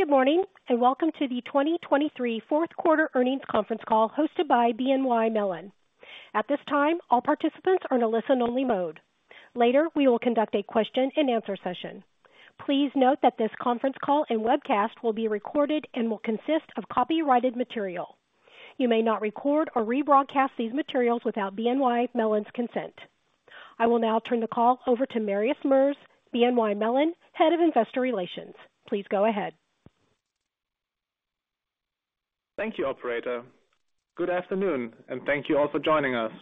Good morning, and welcome to the 2023 fourth quarter earnings conference call hosted by BNY Mellon. At this time, all participants are in a listen-only mode. Later, we will conduct a question-and-answer session. Please note that this conference call and webcast will be recorded and will consist of copyrighted material. You may not record or rebroadcast these materials without BNY Mellon's consent. I will now turn the call over to Marius Merz, BNY Mellon Head of Investor Relations. Please go ahead. Thank you, operator. Good afternoon, and thank you all for joining us.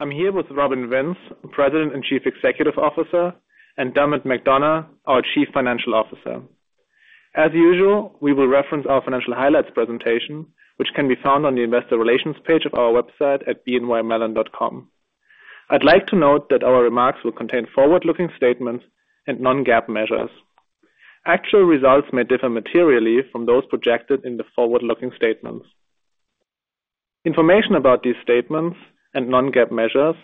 I'm here with Robin Vince, President and Chief Executive Officer, and Dermot McDonogh, our Chief Financial Officer. As usual, we will reference our financial highlights presentation, which can be found on the Investor Relations page of our website at bnymellon.com. I'd like to note that our remarks will contain forward-looking statements and non-GAAP measures. Actual results may differ materially from those projected in the forward-looking statements. Information about these statements and non-GAAP measures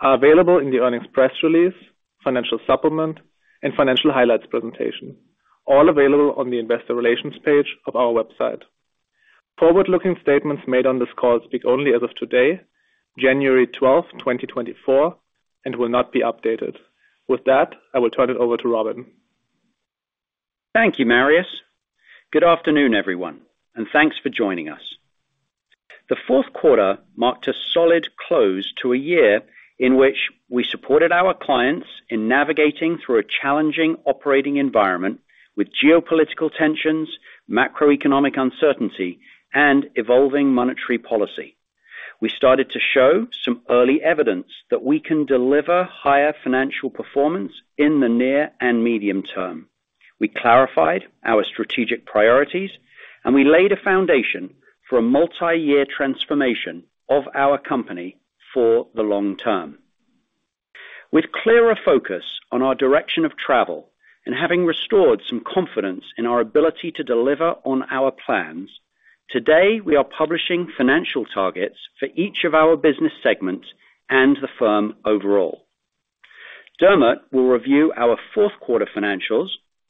are available in the earnings press release, financial supplement, and financial highlights presentation, all available on the Investor Relations page of our website. Forward-looking statements made on this call speak only as of today, January 12, 2024, and will not be updated. With that, I will turn it over to Robin. Thank you, Marius. Good afternoon, everyone, and thanks for joining us. The fourth quarter marked a solid close to a year in which we supported our clients in navigating through a challenging operating environment with geopolitical tensions, macroeconomic uncertainty, and evolving monetary policy. We started to show some early evidence that we can deliver higher financial performance in the near and medium term. We clarified our strategic priorities, and we laid a foundation for a multi-year transformation of our company for the long term. With clearer focus on our direction of travel and having restored some confidence in our ability to deliver on our plans, today, we are publishing financial targets for each of our business segments and the firm overall. Dermot will review our fourth quarter financials,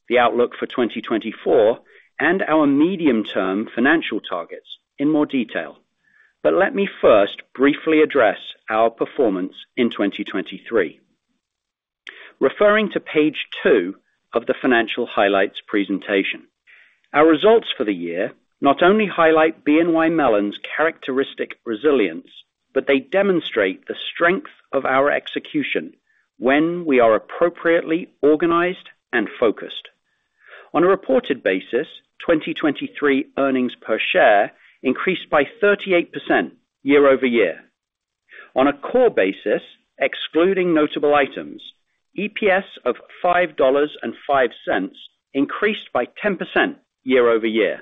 the outlook for 2024, and our medium-term financial targets in more detail. But let me first briefly address our performance in 2023. Referring to page 2 of the financial highlights presentation. Our results for the year not only highlight BNY Mellon's characteristic resilience, but they demonstrate the strength of our execution when we are appropriately organized and focused. On a reported basis, 2023 earnings per share increased by 38% year-over-year. On a core basis, excluding notable items, EPS of $5.05 increased by 10% year-over-year.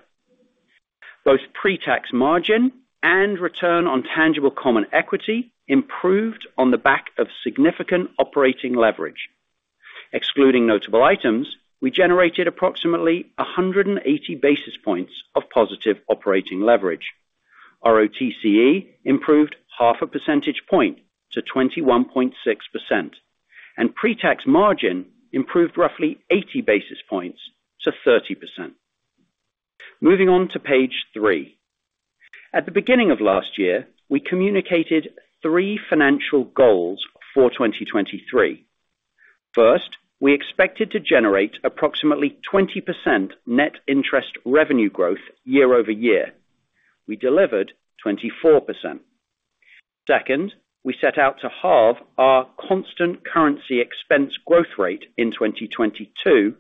Both pre-tax margin and return on tangible common equity improved on the back of significant operating leverage. Excluding notable items, we generated approximately 180 basis points of positive operating leverage. ROTCE improved 0.5 percentage point to 21.6%, and pre-tax margin improved roughly 80 basis points to 30%. Moving on to page 3. At the beginning of last year, we communicated three financial goals for 2023. First, we expected to generate approximately 20% net interest revenue growth year-over-year. We delivered 24%. Second, we set out to halve our constant currency expense growth rate in 2022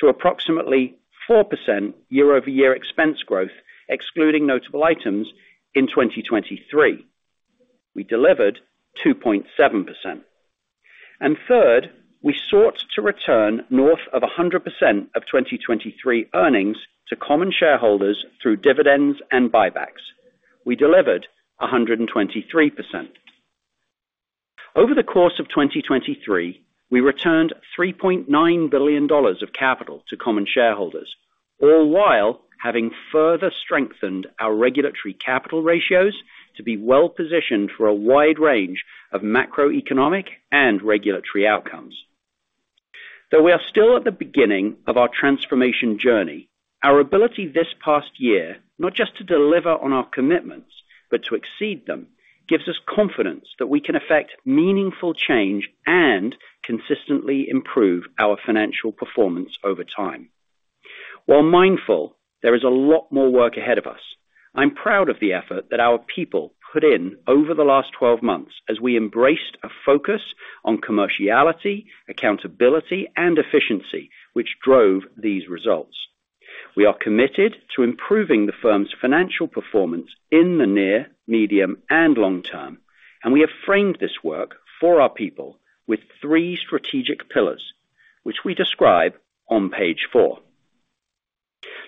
to approximately 4% year-over-year expense growth, excluding notable items in 2023. We delivered 2.7%. Third, we sought to return north of 100% of 2023 earnings to common shareholders through dividends and buybacks. We delivered 123%. Over the course of 2023, we returned $3.9 billion of capital to common shareholders, all while having further strengthened our regulatory capital ratios to be well-positioned for a wide range of macroeconomic and regulatory outcomes. Though we are still at the beginning of our transformation journey, our ability this past year, not just to deliver on our commitments, but to exceed them, gives us confidence that we can effect meaningful change and consistently improve our financial performance over time. While mindful, there is a lot more work ahead of us, I'm proud of the effort that our people put in over the last 12 months as we embraced a focus on commerciality, accountability, and efficiency, which drove these results. We are committed to improving the firm's financial performance in the near, medium, and long term, and we have framed this work for our people with three strategic pillars, which we describe on page 4.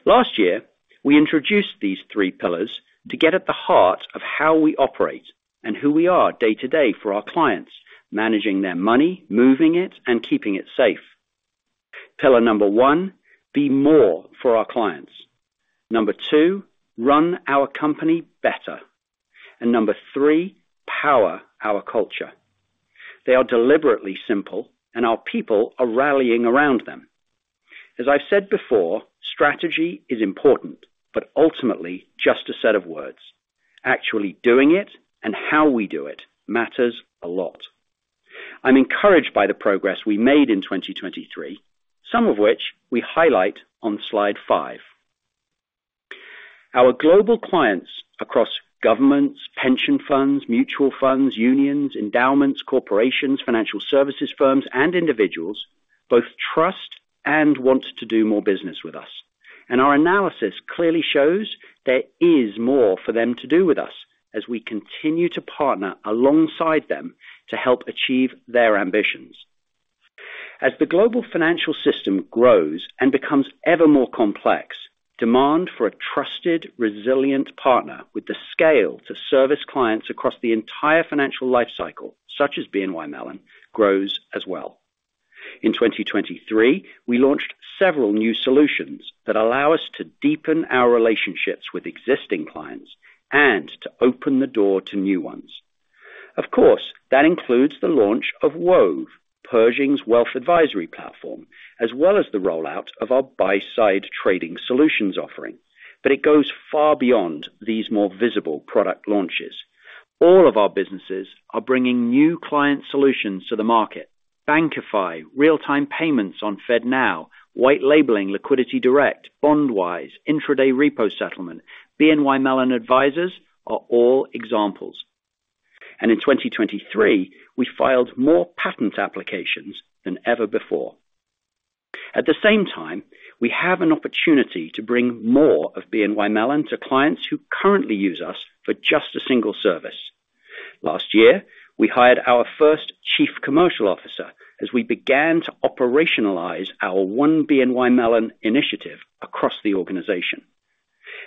Last year, we introduced these three pillars to get at the heart of how we operate and who we are day-to-day for our clients, managing their money, moving it, and keeping it safe. Pillar number 1, be more for our clients. Number 2, run our company better. And number 3, power our culture. They are deliberately simple, and our people are rallying around them. As I've said before, strategy is important, but ultimately just a set of words. Actually doing it and how we do it matters a lot. I'm encouraged by the progress we made in 2023, some of which we highlight on slide 5. Our global clients across governments, pension funds, mutual funds, unions, endowments, corporations, financial services firms, and individuals, both trust and want to do more business with us. Our analysis clearly shows there is more for them to do with us as we continue to partner alongside them to help achieve their ambitions. As the global financial system grows and becomes ever more complex, demand for a trusted, resilient partner with the scale to service clients across the entire financial life cycle, such as BNY Mellon, grows as well. In 2023, we launched several new solutions that allow us to deepen our relationships with existing clients and to open the door to new ones. Of course, that includes the launch of Wove, Pershing's wealth advisory platform, as well as the rollout of our buy-side trading solutions offering. But it goes far beyond these more visible product launches. All of our businesses are bringing new client solutions to the market. Bankify real-time payments on FedNow, white labeling, LiquidityDirect, BondWise, intraday repo settlement, BNY Mellon Advisors are all examples. In 2023, we filed more patent applications than ever before. At the same time, we have an opportunity to bring more of BNY Mellon to clients who currently use us for just a single service. Last year, we hired our first Chief Commercial Officer as we began to operationalize our One BNY Mellon initiative across the organization.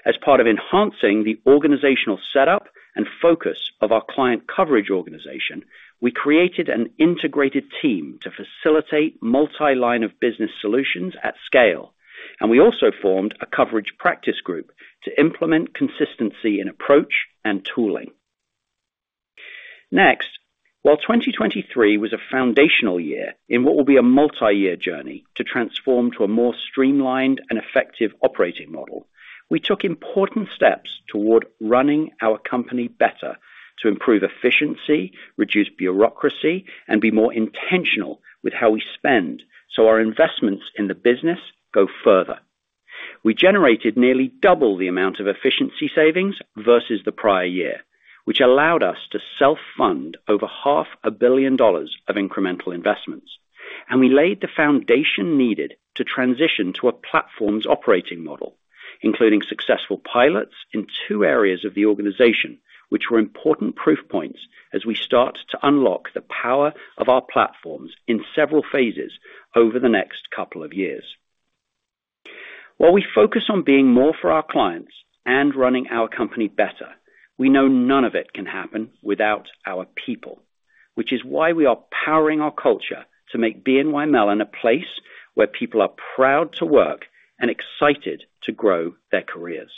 As part of enhancing the organizational setup and focus of our client coverage organization, we created an integrated team to facilitate multi-line of business solutions at scale, and we also formed a coverage practice group to implement consistency in approach and tooling. Next, while 2023 was a foundational year in what will be a multi-year journey to transform to a more streamlined and effective operating model, we took important steps toward running our company better to improve efficiency, reduce bureaucracy, and be more intentional with how we spend, so our investments in the business go further. We generated nearly double the amount of efficiency savings versus the prior year, which allowed us to self-fund over $500 million of incremental investments. We laid the foundation needed to transition to a platforms operating model, including successful pilots in two areas of the organization, which were important proof points as we start to unlock the power of our platforms in several phases over the next couple of years. While we focus on being more for our clients and running our company better, we know none of it can happen without our people. Which is why we are powering our culture to make BNY Mellon a place where people are proud to work and excited to grow their careers.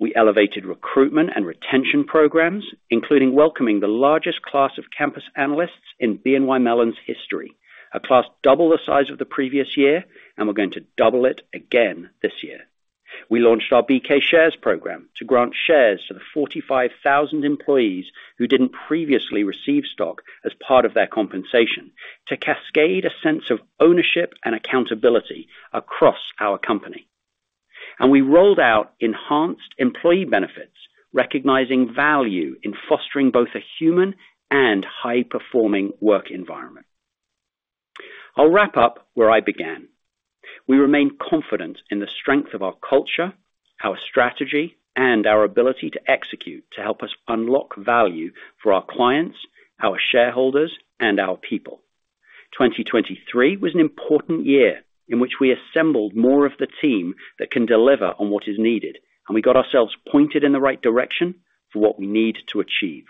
We elevated recruitment and retention programs, including welcoming the largest class of campus analysts in BNY Mellon's history, a class double the size of the previous year, and we're going to double it again this year. We launched our BK shares program to grant shares to the 45,000 employees who didn't previously receive stock as part of their compensation, to cascade a sense of ownership and accountability across our company. We rolled out enhanced employee benefits, recognizing value in fostering both a human and high-performing work environment. I'll wrap up where I began. We remain confident in the strength of our culture, our strategy, and our ability to execute to help us unlock value for our clients, our shareholders, and our people. 2023 was an important year in which we assembled more of the team that can deliver on what is needed, and we got ourselves pointed in the right direction for what we need to achieve.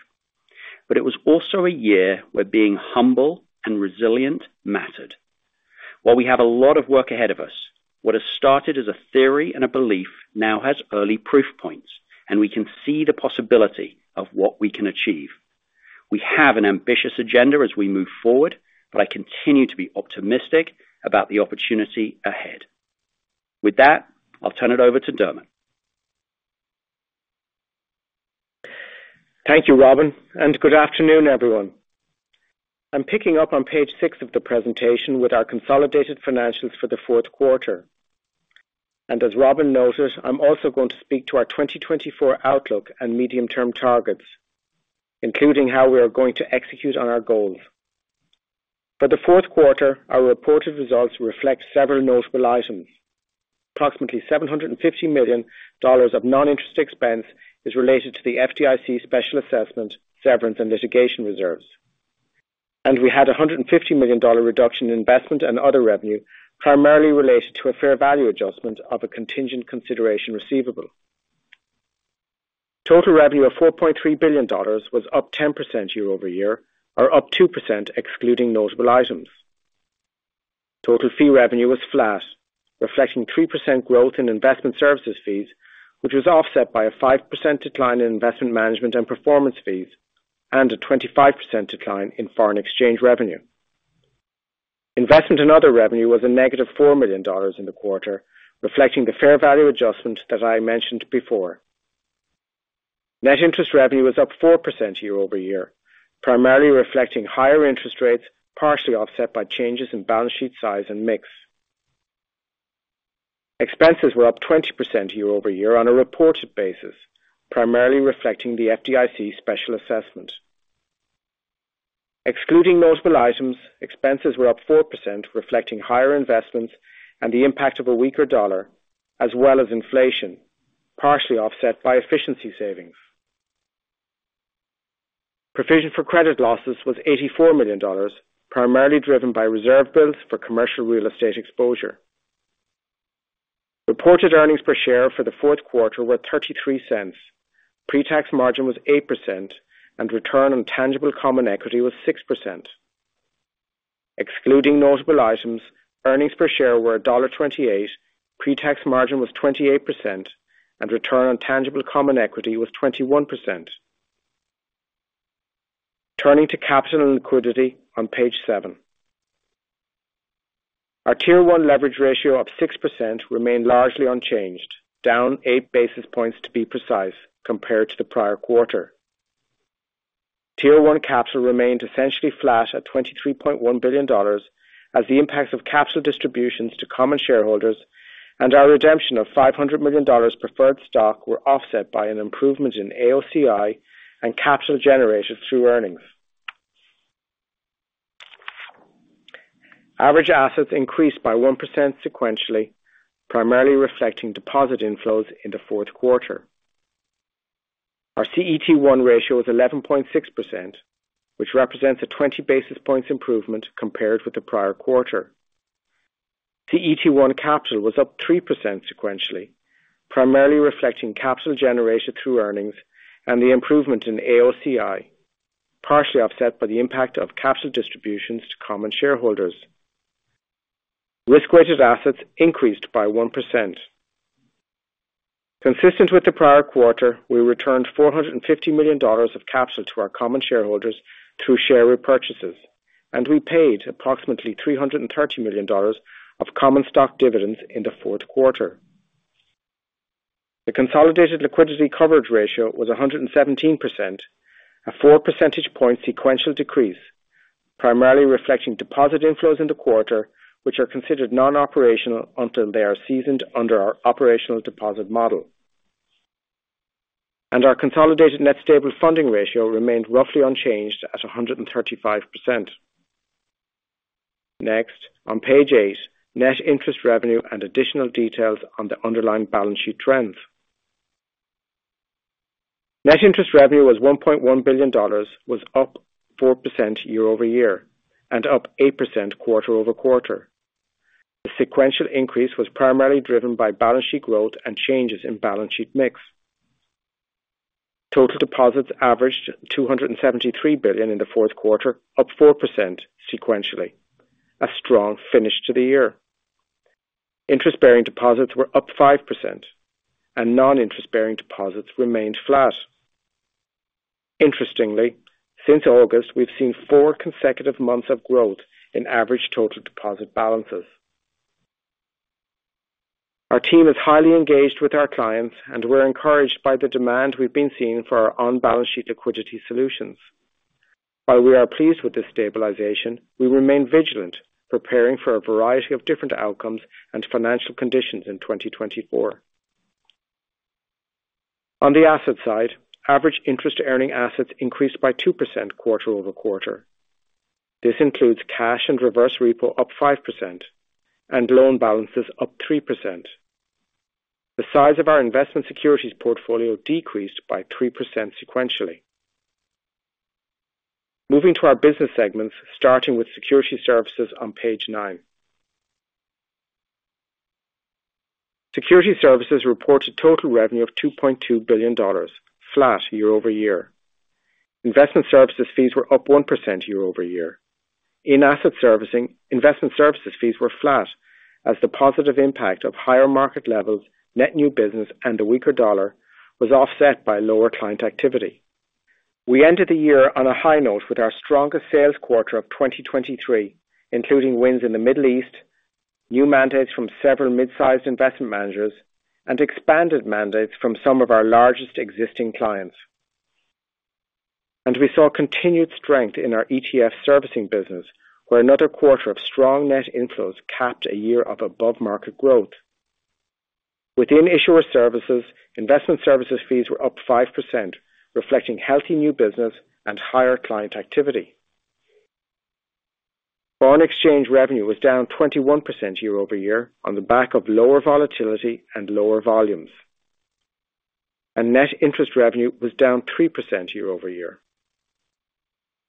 But it was also a year where being humble and resilient mattered. While we have a lot of work ahead of us, what has started as a theory and a belief now has early proof points, and we can see the possibility of what we can achieve. We have an ambitious agenda as we move forward, but I continue to be optimistic about the opportunity ahead. With that, I'll turn it over to Dermot. Thank you, Robin, and good afternoon, everyone. I'm picking up on page 6 of the presentation with our consolidated financials for the fourth quarter. As Robin noted, I'm also going to speak to our 2024 outlook and medium-term targets, including how we are going to execute on our goals. For the fourth quarter, our reported results reflect several notable items. Approximately $750 million of non-interest expense is related to the FDIC special assessment, severance, and litigation reserves. We had a $150 million reduction in investment and other revenue, primarily related to a fair value adjustment of a contingent consideration receivable. Total revenue of $4.3 billion was up 10% year-over-year, or up 2%, excluding notable items. Total fee revenue was flat, reflecting 3% growth in investment services fees, which was offset by a 5% decline in investment management and performance fees, and a 25% decline in foreign exchange revenue. Investment and other revenue was -$4 million in the quarter, reflecting the fair value adjustment that I mentioned before. Net interest revenue was up 4% year-over-year, primarily reflecting higher interest rates, partially offset by changes in balance sheet size and mix. Expenses were up 20% year-over-year on a reported basis, primarily reflecting the FDIC special assessment. Excluding notable items, expenses were up 4%, reflecting higher investments and the impact of a weaker dollar, as well as inflation, partially offset by efficiency savings. Provision for credit losses was $84 million, primarily driven by reserve builds for commercial real estate exposure. Reported earnings per share for the fourth quarter were $0.33. Pre-tax margin was 8%, and return on tangible common equity was 6%. Excluding notable items, earnings per share were $1.28, pre-tax margin was 28%, and return on tangible common equity was 21%. Turning to capital and liquidity on page 7. Our Tier 1 leverage ratio up 6% remained largely unchanged, down 8 basis points, to be precise, compared to the prior quarter. Tier 1 capital remained essentially flat at $23.1 billion, as the impacts of capital distributions to common shareholders and our redemption of $500 million preferred stock were offset by an improvement in AOCI and capital generated through earnings. Average assets increased by 1% sequentially, primarily reflecting deposit inflows in the fourth quarter. Our CET1 ratio is 11.6%, which represents a 20 basis points improvement compared with the prior quarter. CET1 capital was up 3% sequentially, primarily reflecting capital generation through earnings and the improvement in AOCI, partially offset by the impact of capital distributions to common shareholders. Risk-weighted assets increased by 1%. Consistent with the prior quarter, we returned $450 million of capital to our common shareholders through share repurchases, and we paid approximately $330 million of common stock dividends in the fourth quarter. The consolidated liquidity coverage ratio was 117%, a 4 percentage point sequential decrease, primarily reflecting deposit inflows in the quarter, which are considered non-operational until they are seasoned under our operational deposit model. And our consolidated net stable funding ratio remained roughly unchanged at 135%. Next, on page 8, net interest revenue and additional details on the underlying balance sheet trends. Net interest revenue was $1.1 billion, was up 4% year-over-year, and up 8% quarter-over-quarter. The sequential increase was primarily driven by balance sheet growth and changes in balance sheet mix. Total deposits averaged $273 billion in the fourth quarter, up 4% sequentially. A strong finish to the year. Interest-bearing deposits were up 5%, and non-interest-bearing deposits remained flat. Interestingly, since August, we've seen four consecutive months of growth in average total deposit balances. Our team is highly engaged with our clients, and we're encouraged by the demand we've been seeing for our on-balance sheet liquidity solutions. While we are pleased with this stabilization, we remain vigilant, preparing for a variety of different outcomes and financial conditions in 2024. On the asset side, average interest earning assets increased by 2% quarter-over-quarter. This includes cash and reverse repo up 5% and loan balances up 3%. The size of our investment securities portfolio decreased by 3% sequentially. Moving to our business segments, starting Securities Services on page Securities Services reported total revenue of $2.2 billion, flat year-over-year. Investment services fees were up 1% year-over-year. In Asset Servicing, investment services fees were flat as the positive impact of higher market levels, net new business, and a weaker dollar was offset by lower client activity. We ended the year on a high note with our strongest sales quarter of 2023, including wins in the Middle East, new mandates from several mid-sized investment managers, and expanded mandates from some of our largest existing clients. We saw continued strength in our ETF servicing business, where another quarter of strong net inflows capped a year of above-market growth. Within issuer services, investment services fees were up 5%, reflecting healthy new business and higher client activity. Foreign exchange revenue was down 21% year-over-year on the back of lower volatility and lower volumes, and net interest revenue was down 3% year-over-year.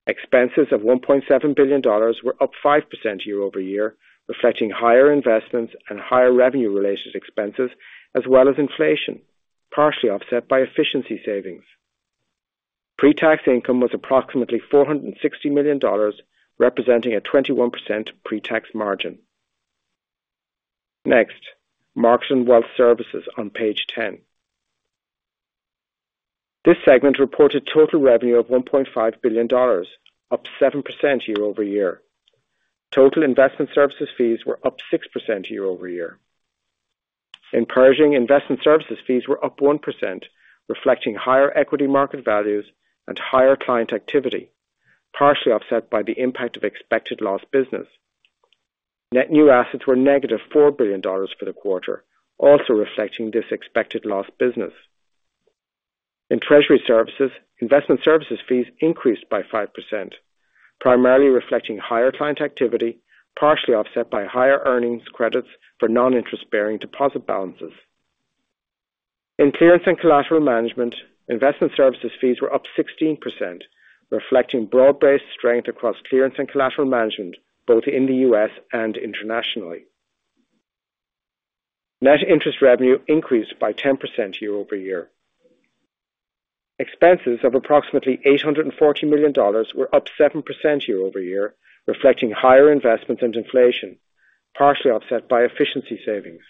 Expenses of $1.7 billion were up 5% year-over-year, reflecting higher investments and higher revenue-related expenses, as well as inflation, partially offset by efficiency savings. Pre-tax income was approximately $460 million, representing a 21% pre-tax margin. Next, Markets and Wealth Services on page 10. This segment reported total revenue of $1.5 billion, up 7% year-over-year. Total investment services fees were up 6% year-over-year. In Pershing, investment services fees were up 1%, reflecting higher equity market values and higher client activity, partially offset by the impact of expected lost business. Net new assets were negative $4 billion for the quarter, also reflecting this expected lost business. In treasury services, investment services fees increased by 5%, primarily reflecting higher client activity, partially offset by higher earnings credits for non-interest-bearing deposit balances. In clearance and collateral management, investment services fees were up 16%, reflecting broad-based strength across clearance and collateral management, both in the U.S. and internationally. Net interest revenue increased by 10% year-over-year. Expenses of approximately $840 million were up 7% year-over-year, reflecting higher investments and inflation, partially offset by efficiency savings.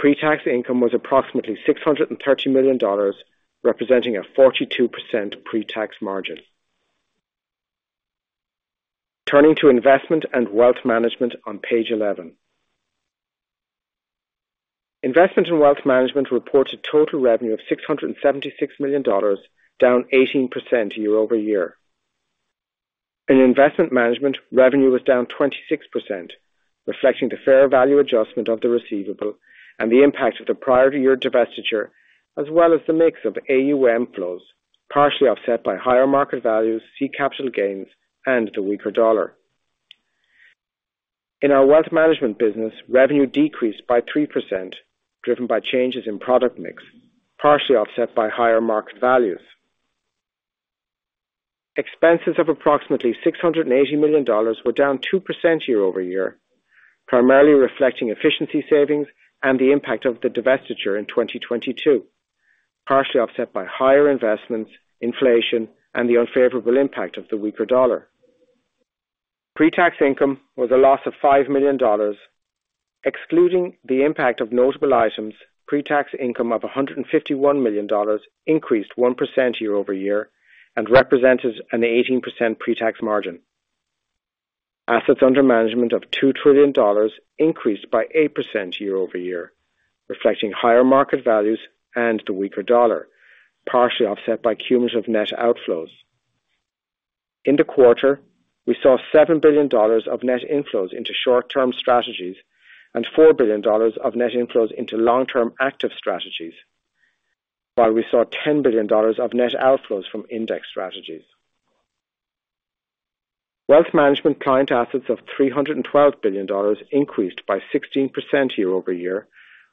Pre-tax income was approximately $630 million, representing a 42% pre-tax margin. Turning to Investment and Wealth Management on page 11. Investment and Wealth Management reported total revenue of $676 million, down 18% year-over-year. In investment management, revenue was down 26%, reflecting the fair value adjustment of the receivable and the impact of the prior-year divestiture, as well as the mix of AUM flows, partially offset by higher market values, seed capital gains, and the weaker dollar. In our wealth management business, revenue decreased by 3%, driven by changes in product mix, partially offset by higher market values. Expenses of approximately $680 million were down 2% year-over-year, primarily reflecting efficiency savings and the impact of the divestiture in 2022, partially offset by higher investments, inflation, and the unfavorable impact of the weaker dollar. Pre-tax income was a loss of $5 million. Excluding the impact of notable items, pre-tax income of $151 million increased 1% year-over-year and represented an 18% pre-tax margin. Assets under management of $2 trillion increased by 8% year-over-year, reflecting higher market values and the weaker dollar, partially offset by cumulative net outflows. In the quarter, we saw $7 billion of net inflows into short-term strategies and $4 billion of net inflows into long-term active strategies, while we saw $10 billion of net outflows from index strategies. Wealth Management client assets of $312 billion increased by 16% year-over-year,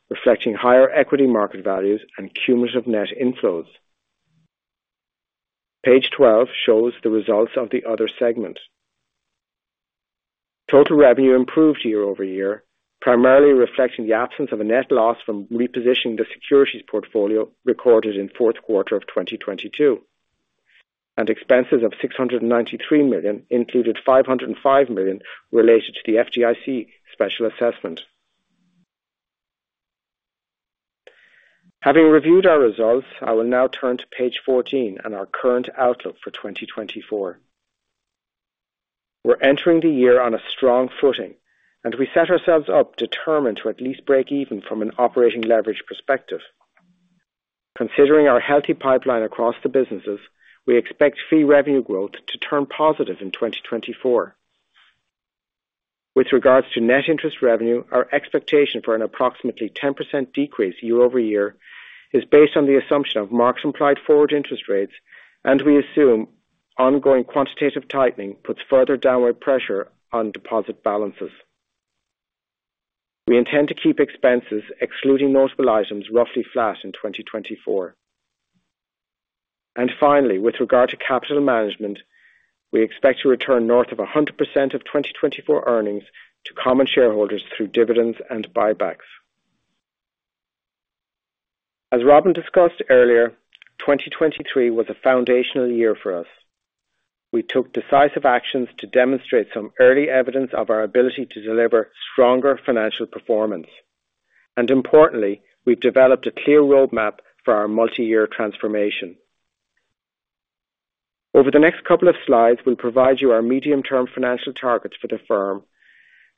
reflecting higher equity market values and cumulative net inflows. Page 12 shows the results of the other segment. Total revenue improved year-over-year, primarily reflecting the absence of a net loss from repositioning the securities portfolio recorded in fourth quarter of 2022, and expenses of $693 million included $505 million related to the FDIC special assessment. Having reviewed our results, I will now turn to page 14 on our current outlook for 2024. We're entering the year on a strong footing, and we set ourselves up determined to at least break even from an operating leverage perspective. Considering our healthy pipeline across the businesses, we expect fee revenue growth to turn positive in 2024. With regards to net interest revenue, our expectation for an approximately 10% decrease year-over-year is based on the assumption of marks implied forward interest rates, and we assume ongoing quantitative tightening puts further downward pressure on deposit balances. We intend to keep expenses, excluding notable items, roughly flat in 2024. And finally, with regard to capital management, we expect to return north of 100% of 2024 earnings to common shareholders through dividends and buybacks. As Robin discussed earlier, 2023 was a foundational year for us. We took decisive actions to demonstrate some early evidence of our ability to deliver stronger financial performance, and importantly, we've developed a clear roadmap for our multi-year transformation. Over the next couple of slides, we'll provide you our medium-term financial targets for the firm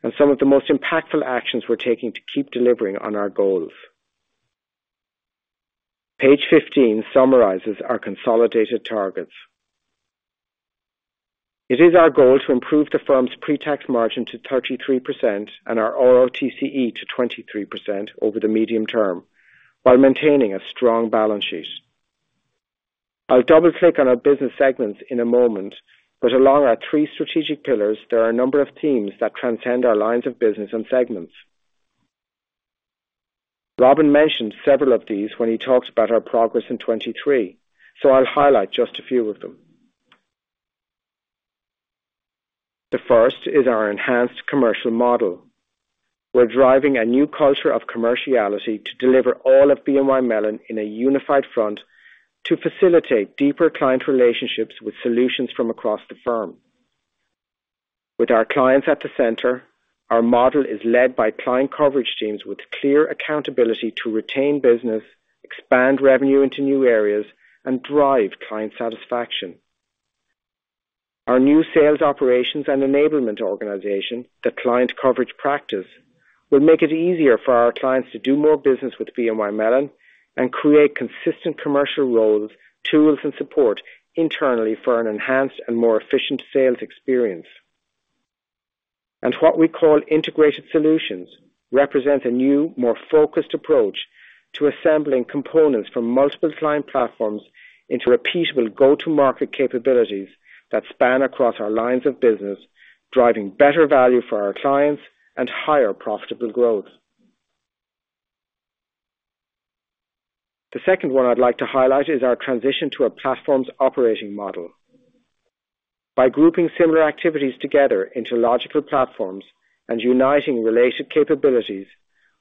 and some of the most impactful actions we're taking to keep delivering on our goals. Page 15 summarizes our consolidated targets. It is our goal to improve the firm's pre-tax margin to 33% and our ROTCE to 23% over the medium term while maintaining a strong balance sheet. I'll double-click on our business segments in a moment, but along our three strategic pillars, there are a number of themes that transcend our lines of business and segments. Robin mentioned several of these when he talked about our progress in 2023, so I'll highlight just a few of them. First is our enhanced commercial model. We're driving a new culture of commerciality to deliver all of BNY Mellon in a unified front, to facilitate deeper client relationships with solutions from across the firm. With our clients at the center, our model is led by client coverage teams with clear accountability to retain business, expand revenue into new areas, and drive client satisfaction. Our new sales operations and enablement organization, the client coverage practice, will make it easier for our clients to do more business with BNY Mellon and create consistent commercial roles, tools, and support internally for an enhanced and more efficient sales experience. And what we call integrated solutions, represents a new, more focused approach to assembling components from multiple client platforms into repeatable go-to-market capabilities that span across our lines of business, driving better value for our clients and higher profitable growth. The second one I'd like to highlight is our transition to a platforms operating model. By grouping similar activities together into logical platforms and uniting related capabilities,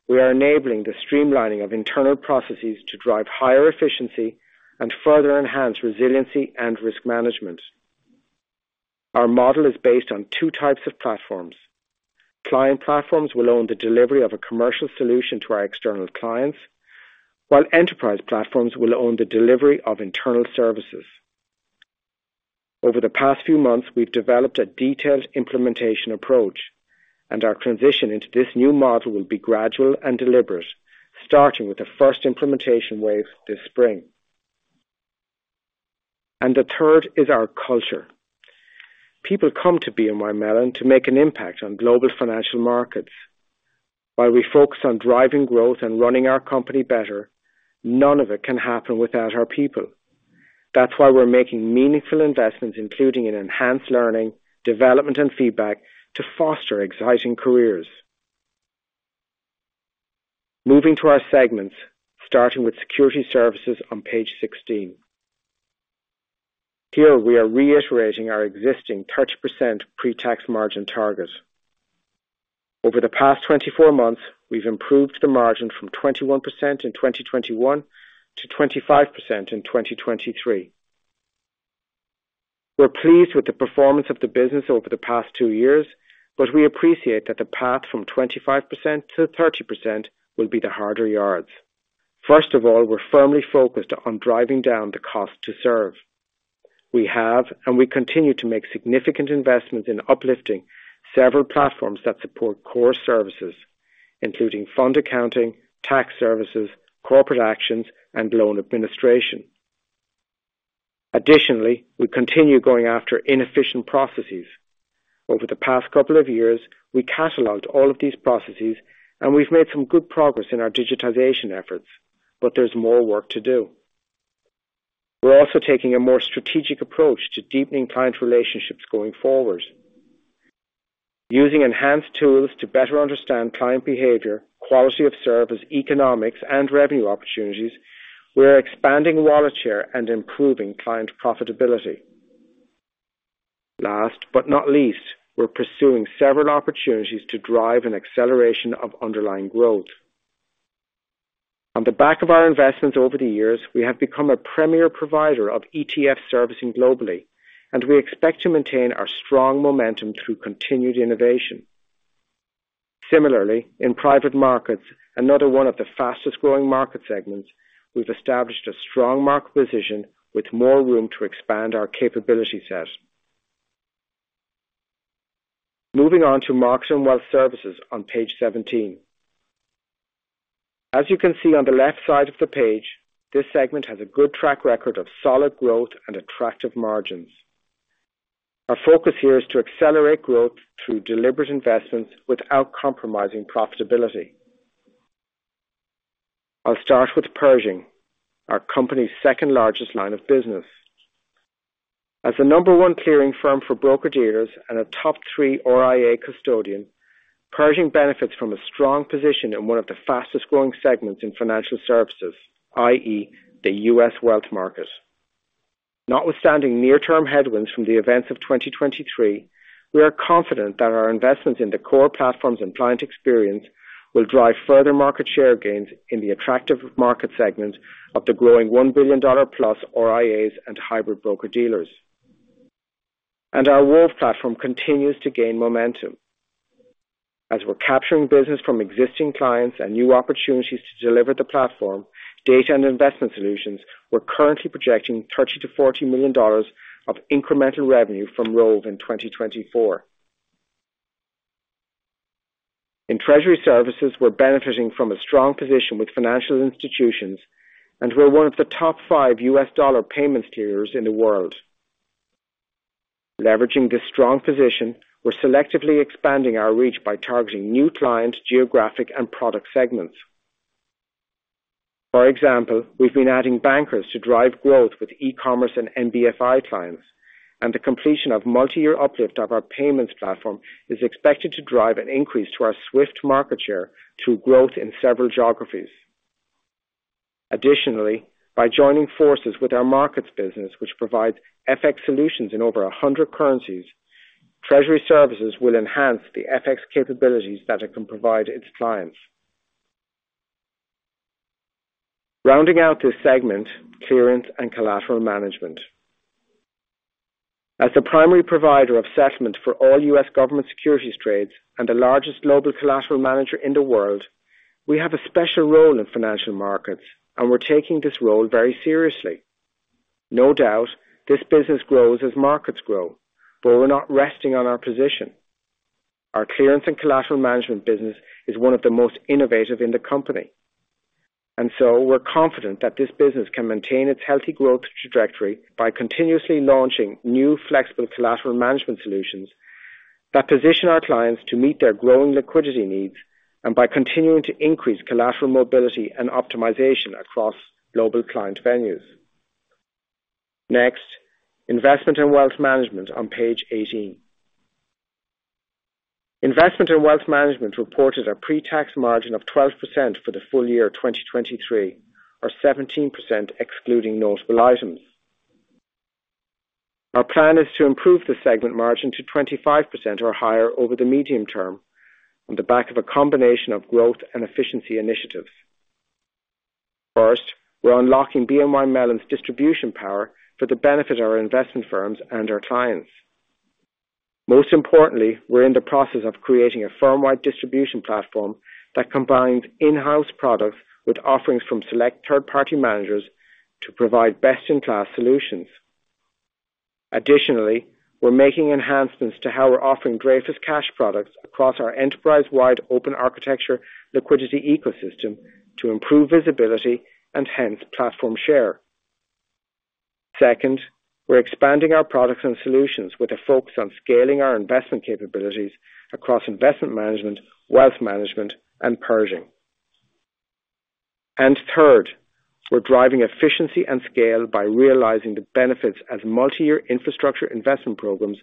we are enabling the streamlining of internal processes to drive higher efficiency and further enhance resiliency and risk management. Our model is based on two types of platforms. Client platforms will own the delivery of a commercial solution to our external clients, while enterprise platforms will own the delivery of internal services. Over the past few months, we've developed a detailed implementation approach, and our transition into this new model will be gradual and deliberate, starting with the first implementation wave this spring. The third is our culture. People come to BNY Mellon to make an impact on global financial markets. While we focus on driving growth and running our company better, none of it can happen without our people. That's why we're making meaningful investments, including in enhanced learning, development, and feedback, to foster exciting careers. Moving to our segments, starting Securities Services on page 16. Here we are reiterating our existing 30% pre-tax margin target. Over the past 24 months, we've improved the margin from 21% in 2021 to 25% in 2023. We're pleased with the performance of the business over the past 2 years, but we appreciate that the path from 25% to 30% will be the harder yards. First of all, we're firmly focused on driving down the cost to serve. We have, and we continue to make significant investments in uplifting several platforms that support core services, including fund accounting, tax services, corporate actions, and loan administration. Additionally, we continue going after inefficient processes. Over the past couple of years, we cataloged all of these processes, and we've made some good progress in our digitization efforts, but there's more work to do. We're also taking a more strategic approach to deepening client relationships going forward. Using enhanced tools to better understand client behavior, quality of service, economics, and revenue opportunities, we are expanding wallet share and improving client profitability. Last but not least, we're pursuing several opportunities to drive an acceleration of underlying growth. On the back of our investments over the years, we have become a premier provider of ETF servicing globally, and we expect to maintain our strong momentum through continued innovation. Similarly, in private markets, another one of the fastest-growing market segments, we've established a strong market position with more room to expand our capability set. Moving on to Markets and Wealth Services on page 17. As you can see on the left side of the page, this segment has a good track record of solid growth and attractive margins. Our focus here is to accelerate growth through deliberate investments without compromising profitability. I'll start with Pershing, our company's second-largest line of business. As the number one clearing firm for broker-dealers and a top three RIA custodian, Pershing benefits from a strong position in one of the fastest-growing segments in financial services, i.e., the U.S. wealth market. Notwithstanding near-term headwinds from the events of 2023, we are confident that our investments in the core platforms and client experience will drive further market share gains in the attractive market segment of the growing $1 billion-plus RIAs and hybrid broker-dealers. And our Wove platform continues to gain momentum. As we're capturing business from existing clients and new opportunities to deliver the platform, data and investment solutions, we're currently projecting $30 million-$40 million of incremental revenue from Wove in 2024. In treasury services, we're benefiting from a strong position with financial institutions, and we're one of the top five U.S. dollar payment clears in the world. Leveraging this strong position, we're selectively expanding our reach by targeting new clients, geographic and product segments. For example, we've been adding bankers to drive growth with e-commerce and NBFI clients, and the completion of multi-year uplift of our payments platform is expected to drive an increase to our SWIFT market share through growth in several geographies. Additionally, by joining forces with our markets business, which provides FX solutions in over 100 currencies, treasury services will enhance the FX capabilities that it can provide its clients. Rounding out this segment, clearance and collateral management. As the primary provider of settlement for all U.S. government securities trades and the largest global collateral manager in the world, we have a special role in financial markets, and we're taking this role very seriously. No doubt, this business grows as markets grow, but we're not resting on our position. Our clearance and collateral management business is one of the most innovative in the company, and so we're confident that this business can maintain its healthy growth trajectory by continuously launching new, flexible collateral management solutions that position our clients to meet their growing liquidity needs and by continuing to increase collateral mobility and optimization across global client venues. Next, Investment and Wealth Management on page 18. Investment and wealth management reported a pre-tax margin of 12% for the full year 2023, or 17% excluding notable items. Our plan is to improve the segment margin to 25% or higher over the medium term on the back of a combination of growth and efficiency initiatives. First, we're unlocking BNY Mellon's distribution power for the benefit of our investment firms and our clients. Most importantly, we're in the process of creating a firm-wide distribution platform that combines in-house products with offerings from select third-party managers to provide best-in-class solutions. Additionally, we're making enhancements to how we're offering Dreyfus Cash products across our enterprise-wide open architecture liquidity ecosystem to improve visibility and hence platform share. Second, we're expanding our products and solutions with a focus on scaling our investment capabilities across investment management, wealth management, and Pershing. And third, we're driving efficiency and scale by realizing the benefits as multi-year infrastructure investment programs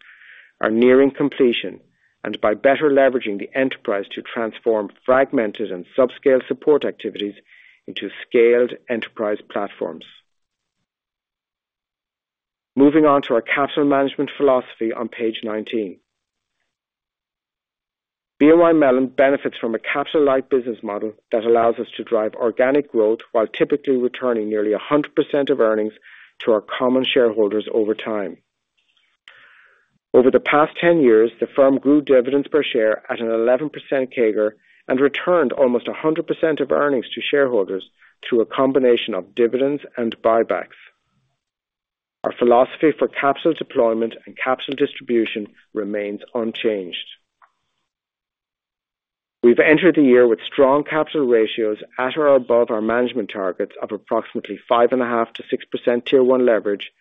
are nearing completion, and by better leveraging the enterprise to transform fragmented and subscale support activities into scaled enterprise platforms. Moving on to our capital management philosophy on page 19. BNY Mellon benefits from a capital-light business model that allows us to drive organic growth while typically returning nearly 100% of earnings to our common shareholders over time. Over the past 10 years, the firm grew dividends per share at an 11% CAGR and returned almost 100% of earnings to shareholders through a combination of dividends and buybacks. Our philosophy for capital deployment and capital distribution remains unchanged. We've entered the year with strong capital ratios at or above our management targets of approximately 5.5%-6% Tier 1 leverage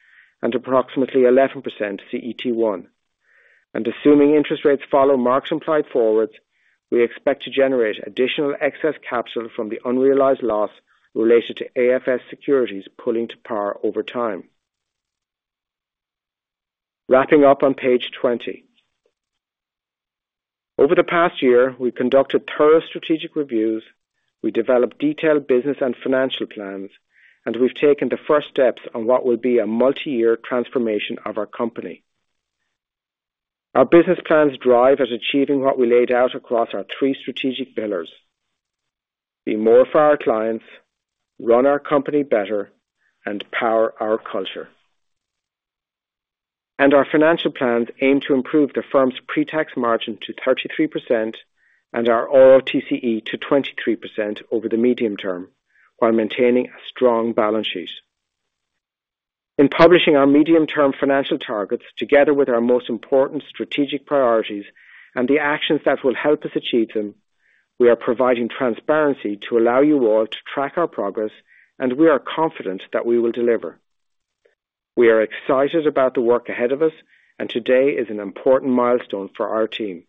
and approximately 11% CET1. Assuming interest rates follow marks implied forwards, we expect to generate additional excess capital from the unrealized loss related to AFS securities pulling to par over time. Wrapping up on page 20. Over the past year, we've conducted thorough strategic reviews, we developed detailed business and financial plans, and we've taken the first steps on what will be a multi-year transformation of our company. Our business plans drive at achieving what we laid out across our three strategic pillars: be more for our clients, run our company better, and power our culture. And our financial plans aim to improve the firm's pre-tax margin to 33% and our ROTCE to 23% over the medium term, while maintaining a strong balance sheet. In publishing our medium-term financial targets, together with our most important strategic priorities and the actions that will help us achieve them, we are providing transparency to allow you all to track our progress, and we are confident that we will deliver. We are excited about the work ahead of us, and today is an important milestone for our team.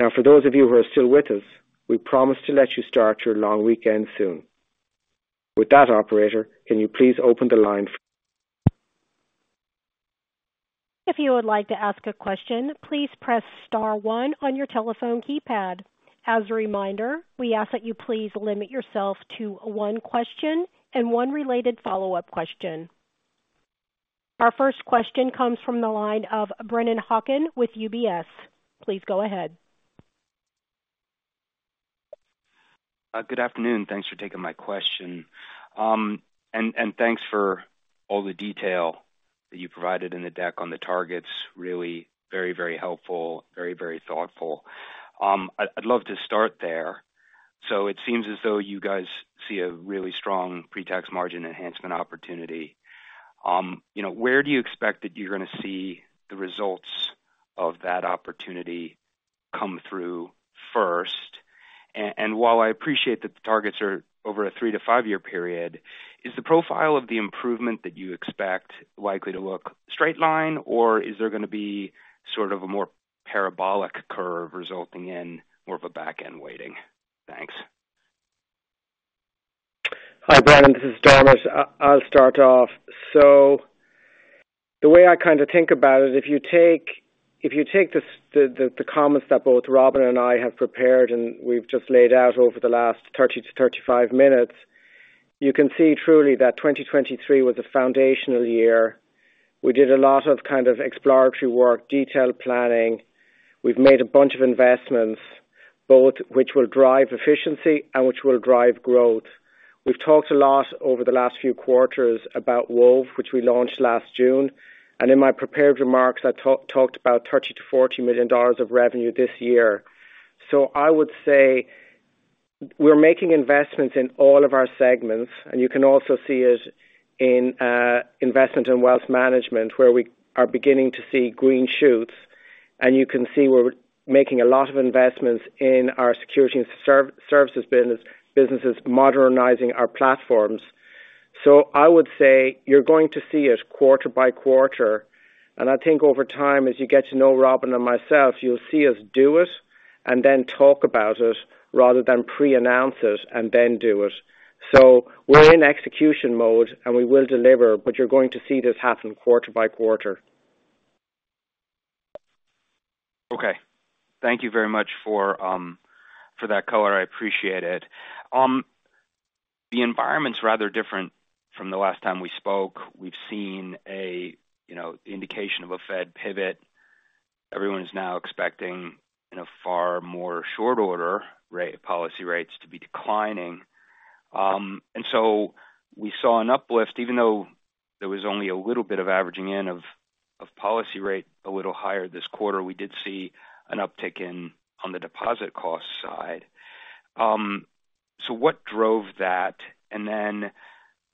Now, for those of you who are still with us, we promise to let you start your long weekend soon. With that, operator, can you please open the line? If you would like to ask a question, please press star one on your telephone keypad. As a reminder, we ask that you please limit yourself to one question and one related follow-up question. Our first question comes from the line of Brennan Hawken with UBS. Please go ahead. Good afternoon. Thanks for taking my question. And thanks for all the detail that you provided in the deck on the targets. Really very, very helpful. Very, very thoughtful. I'd, I'd love to start there. So it seems as though you guys see a really strong pre-tax margin enhancement opportunity. You know, where do you expect that you're gonna see the results of that opportunity come through first? And while I appreciate that the targets are over a 3- to 5-year period, is the profile of the improvement that you expect likely to look straight line, or is there gonna be sort of a more parabolic curve resulting in more of a back-end weighting? Thanks. Hi, Brennan, this is Dermot. I'll start off. The way I kind of think about it, if you take the comments that both Robin and I have prepared and we've just laid out over the last 30 to 35 minutes, you can see truly that 2023 was a foundational year. We did a lot of kind of exploratory work, detailed planning. We've made a bunch of investments, both which will drive efficiency and which will drive growth. We've talked a lot over the last few quarters about Wove, which we launched last June, and in my prepared remarks, I talked about $30 million-$40 million of revenue this year. So I would say we're making investments in all of our segments, and you can also see it in Investment and Wealth Management, where we are beginning to see green shoots, and you can see we're making a lot of investments in our securities services business, modernizing our platforms. So I would say you're going to see it quarter by quarter, and I think over time, as you get to know Robin and myself, you'll see us do it and then talk about it rather than pre-announce it and then do it. So we're in execution mode, and we will deliver, but you're going to see this happen quarter by quarter. Okay. Thank you very much for that color. I appreciate it. The environment's rather different from the last time we spoke. We've seen a, you know, indication of a Fed pivot. Everyone is now expecting, in a far more short order, rate policy rates to be declining. And so we saw an uplift, even though there was only a little bit of averaging in of policy rate, a little higher this quarter, we did see an uptick in on the deposit cost side. So what drove that, and then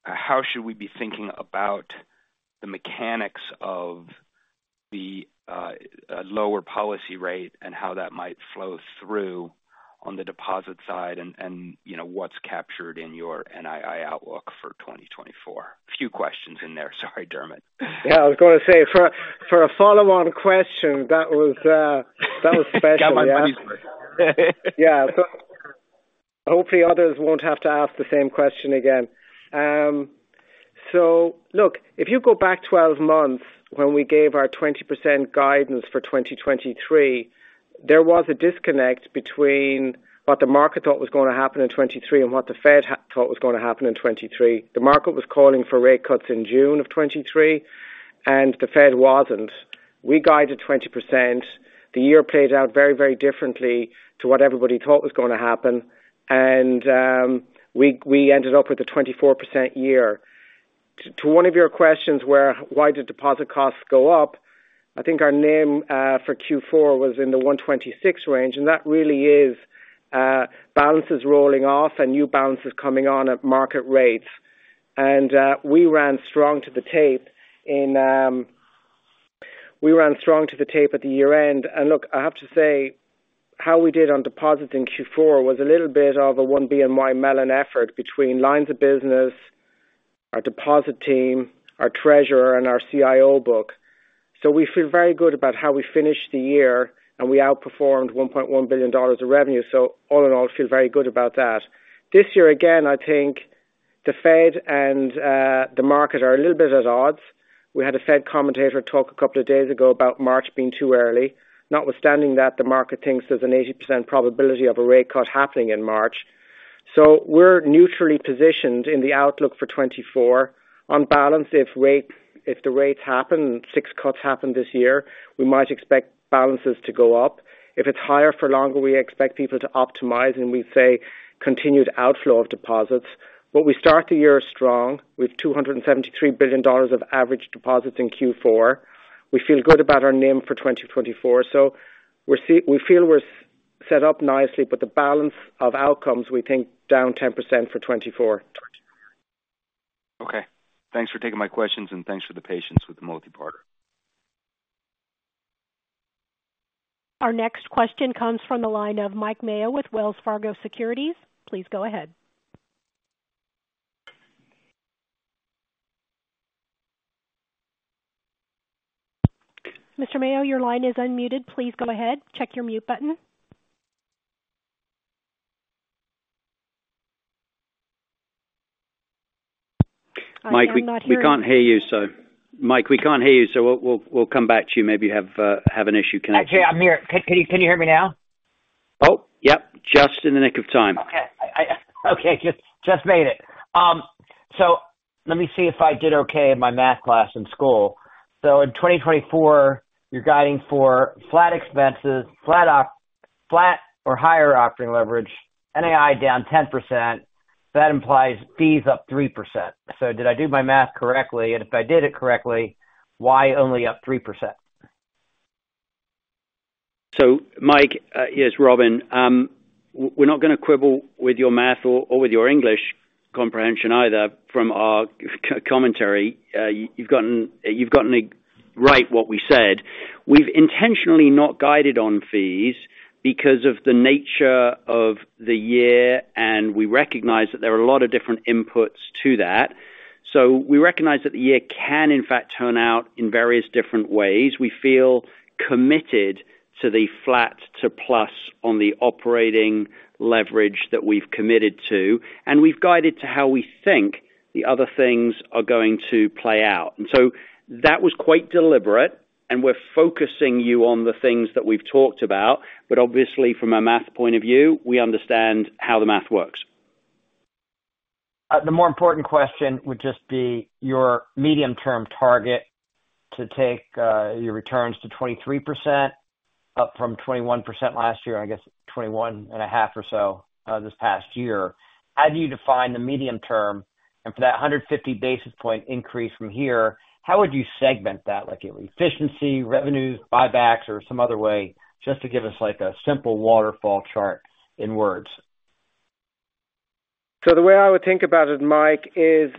how should we be thinking about the mechanics of the lower policy rate and how that might flow through on the deposit side and, you know, what's captured in your NII outlook for 2024? A few questions in there. Sorry, Dermot. Yeah, I was going to say, for a follow-on question, that was, that was special. Got my money's worth. Yeah. So hopefully others won't have to ask the same question again. So look, if you go back 12 months when we gave our 20% guidance for 2023, there was a disconnect between what the market thought was going to happen in 2023 and what the Fed thought was going to happen in 2023. The market was calling for rate cuts in June of 2023, and the Fed wasn't. We guided 20%. The year played out very, very differently to what everybody thought was going to happen, and we ended up with a 24% year. To one of your questions, where, why did deposit costs go up? I think our NIM for Q4 was in the 1.26 range, and that really is balances rolling off and new balances coming on at market rates. We ran strong to the tape at the year-end. And look, I have to say, how we did on deposits in Q4 was a little bit of a one BNY Mellon effort between lines of business, our deposit team, our treasurer, and our CIO book. So we feel very good about how we finished the year, and we outperformed $1.1 billion of revenue. So all in all, feel very good about that. This year, again, I think the Fed and the market are a little bit at odds. We had a Fed commentator talk a couple of days ago about March being too early. Notwithstanding that, the market thinks there's an 80% probability of a rate cut happening in March. So we're neutrally positioned in the outlook for 2024. On balance, if the rates happen, and six cuts happen this year, we might expect balances to go up. If it's higher for longer, we expect people to optimize, and we'd say continued outflow of deposits. But we start the year strong with $273 billion of average deposits in Q4. We feel good about our NIM for 2024, so we feel we're set up nicely, but the balance of outcomes, we think, down 10% for 2024. Okay. Thanks for taking my questions, and thanks for the patience with the multipart. Our next question comes from the line of Mike Mayo with Wells Fargo Securities. Please go ahead. Mr. Mayo, your line is unmuted. Please go ahead, check your mute button. I am not hearing- Mike, we can't hear you, so... Mike, we can't hear you, so we'll come back to you. Maybe you have an issue connecting. Actually, I'm here. Can you hear me now? Oh, yep. Just in the nick of time. Okay. Okay, made it. So let me see if I did okay in my math class in school. So in 2024, you're guiding for flat expenses, flat or higher operating leverage, NII down 10%. That implies fees up 3%. So did I do my math correctly? And if I did it correctly, why only up 3%? So Mike, yes, Robin. We're not going to quibble with your math or with your English comprehension either from our commentary. You've gotten it right what we said. We've intentionally not guided on fees because of the nature of the year, and we recognize that there are a lot of different inputs to that. So we recognize that the year can, in fact, turn out in various different ways. We feel committed to the flat to plus on the operating leverage that we've committed to, and we've guided to how we think the other things are going to play out. And so that was quite deliberate, and we're focusing you on the things that we've talked about. But obviously, from a math point of view, we understand how the math works. The more important question would just be your medium-term target to take, your returns to 23%, up from 21% last year, I guess 21.5 or so, this past year. How do you define the medium term? And for that 150 basis point increase from here, how would you segment that? Like, efficiency, revenues, buybacks, or some other way, just to give us, like, a simple waterfall chart in words. So the way I would think about it, Mike, is,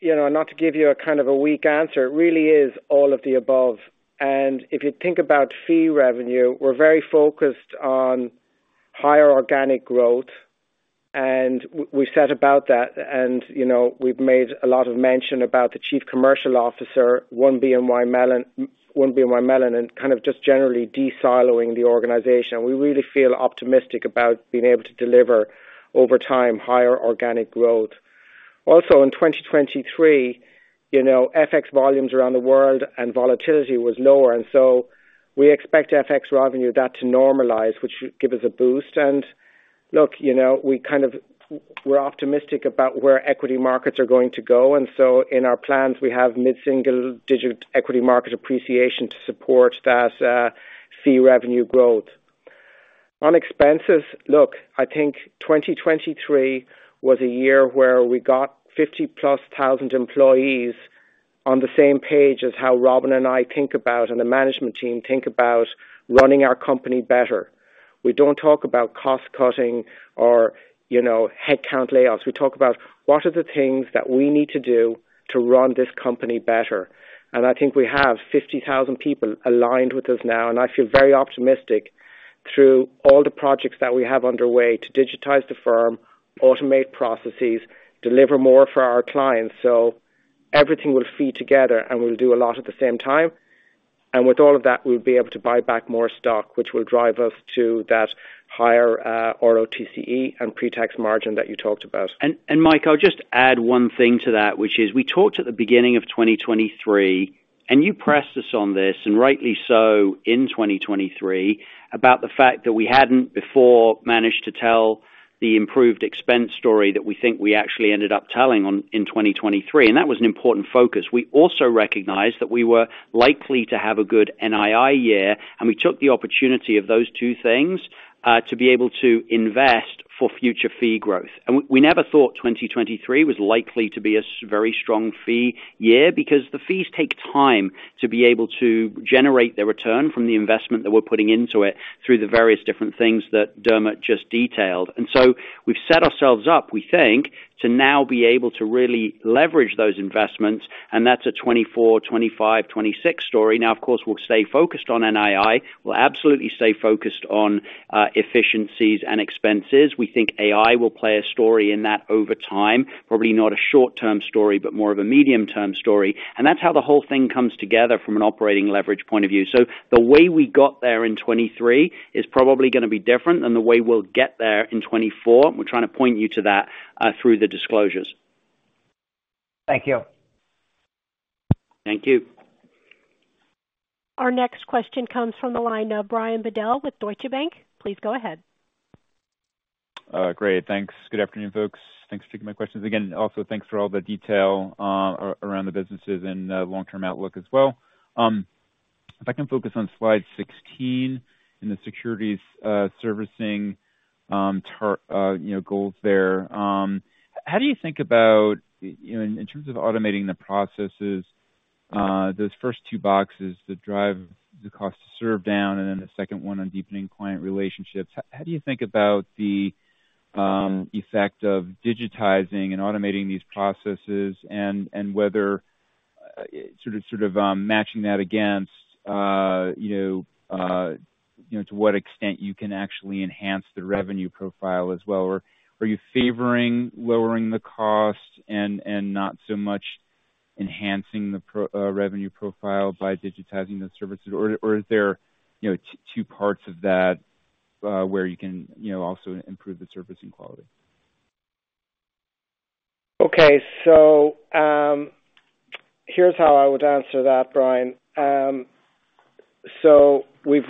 you know, not to give you a kind of a weak answer. It really is all of the above. And if you think about fee revenue, we're very focused on higher organic growth, and we set about that. And, you know, we've made a lot of mention about the chief commercial officer, one BNY Mellon- one BNY Mellon, and kind of just generally desiloing the organization. We really feel optimistic about being able to deliver, over time, higher organic growth. Also, in 2023, you know, FX volumes around the world and volatility was lower, and so we expect FX revenue, that to normalize, which should give us a boost. And look, you know, we kind of, we're optimistic about where equity markets are going to go, and so in our plans, we have mid-single-digit equity market appreciation to support that, fee revenue growth. On expenses, look, I think 2023 was a year where we got 50,000+ employees on the same page as how Robin and I think about, and the management team think about running our company better. We don't talk about cost-cutting or, you know, headcount layoffs. We talk about what are the things that we need to do to run this company better. And I think we have 50,000 people aligned with us now, and I feel very optimistic through all the projects that we have underway to digitize the firm, automate processes, deliver more for our clients. So everything will feed together, and we'll do a lot at the same time. With all of that, we'll be able to buy back more stock, which will drive us to that higher ROTCE and pre-tax margin that you talked about. And Mike, I'll just add one thing to that, which is we talked at the beginning of 2023, and you pressed us on this, and rightly so, in 2023, about the fact that we hadn't before managed to tell the improved expense story that we think we actually ended up telling in 2023, and that was an important focus. We also recognized that we were likely to have a good NII year, and we took the opportunity of those two things to be able to invest for future fee growth. And we never thought 2023 was likely to be a very strong fee year, because the fees take time to be able to generate the return from the investment that we're putting into it through the various different things that Dermot just detailed. We've set ourselves up, we think, to now be able to really leverage those investments, and that's a 2024, 2025, 2026 story. Now, of course, we'll stay focused on NII. We'll absolutely stay focused on efficiencies and expenses. We think AI will play a story in that over time. Probably not a short-term story, but more of a medium-term story. And that's how the whole thing comes together from an operating leverage point of view. So the way we got there in 2023 is probably gonna be different than the way we'll get there in 2024. We're trying to point you to that through the disclosures. Thank you. Thank you. Our next question comes from the line of Brian Bedell with Deutsche Bank. Please go ahead. Great. Thanks. Good afternoon, folks. Thanks for taking my questions again. Also, thanks for all the detail around the businesses and long-term outlook as well. If I can focus on slide 16 in the securities servicing you know goals there. How do you think about, you know, in terms of automating the processes those first two boxes, the drive the cost to serve down, and then the second one on deepening client relationships, how do you think about the effect of digitizing and automating these processes and whether sort of matching that against you know to what extent you can actually enhance the revenue profile as well? Or are you favoring lowering the cost and not so much enhancing the pro revenue profile by digitizing those services? Or is there, you know, two parts of that, where you can, you know, also improve the servicing quality? Okay. So, here's how I would answer that, Brian. So, we've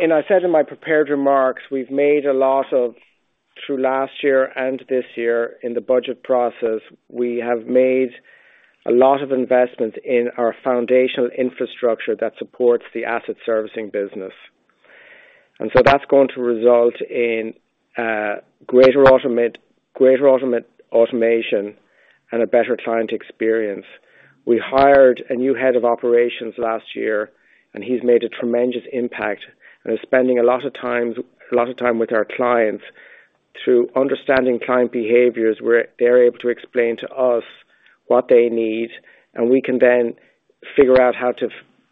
and I said in my prepared remarks, we've made a lot of—through last year and this year in the budget process, we have made a lot of investments in our foundational infrastructure that supports the Asset Servicing business. And so that's going to result in greater automation and a better client experience. We hired a new head of operations last year, and he's made a tremendous impact and is spending a lot of time, a lot of time with our clients through understanding client behaviors, where they're able to explain to us what they need, and we can then figure out how to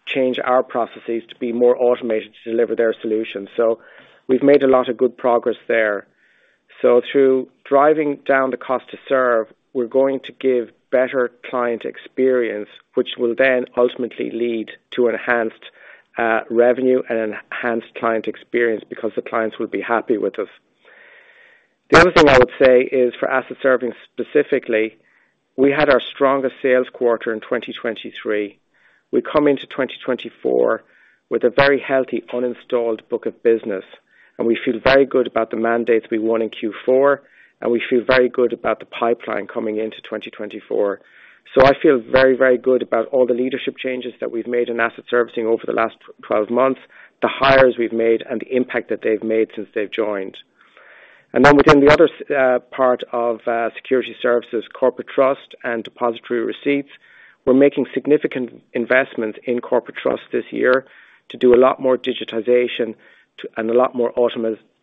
change our processes to be more automated, to deliver their solutions. So we've made a lot of good progress there. So through driving down the cost to serve, we're going to give better client experience, which will then ultimately lead to enhanced revenue and enhanced client experience because the clients will be happy with us. The other thing I would say is for Asset Servicing specifically, we had our strongest sales quarter in 2023. We come into 2024 with a very healthy unfunded book of business, and we feel very good about the mandates we won in Q4, and we feel very good about the pipeline coming into 2024. So I feel very, very good about all the leadership changes that we've made in Asset Servicing over the last 12 months, the hires we've made and the impact that they've made since they've joined. Then within the other part Securities Services, Corporate Trust and Depositary Receipts, we're making significant investments in Corporate Trust this year to do a lot more digitization and a lot more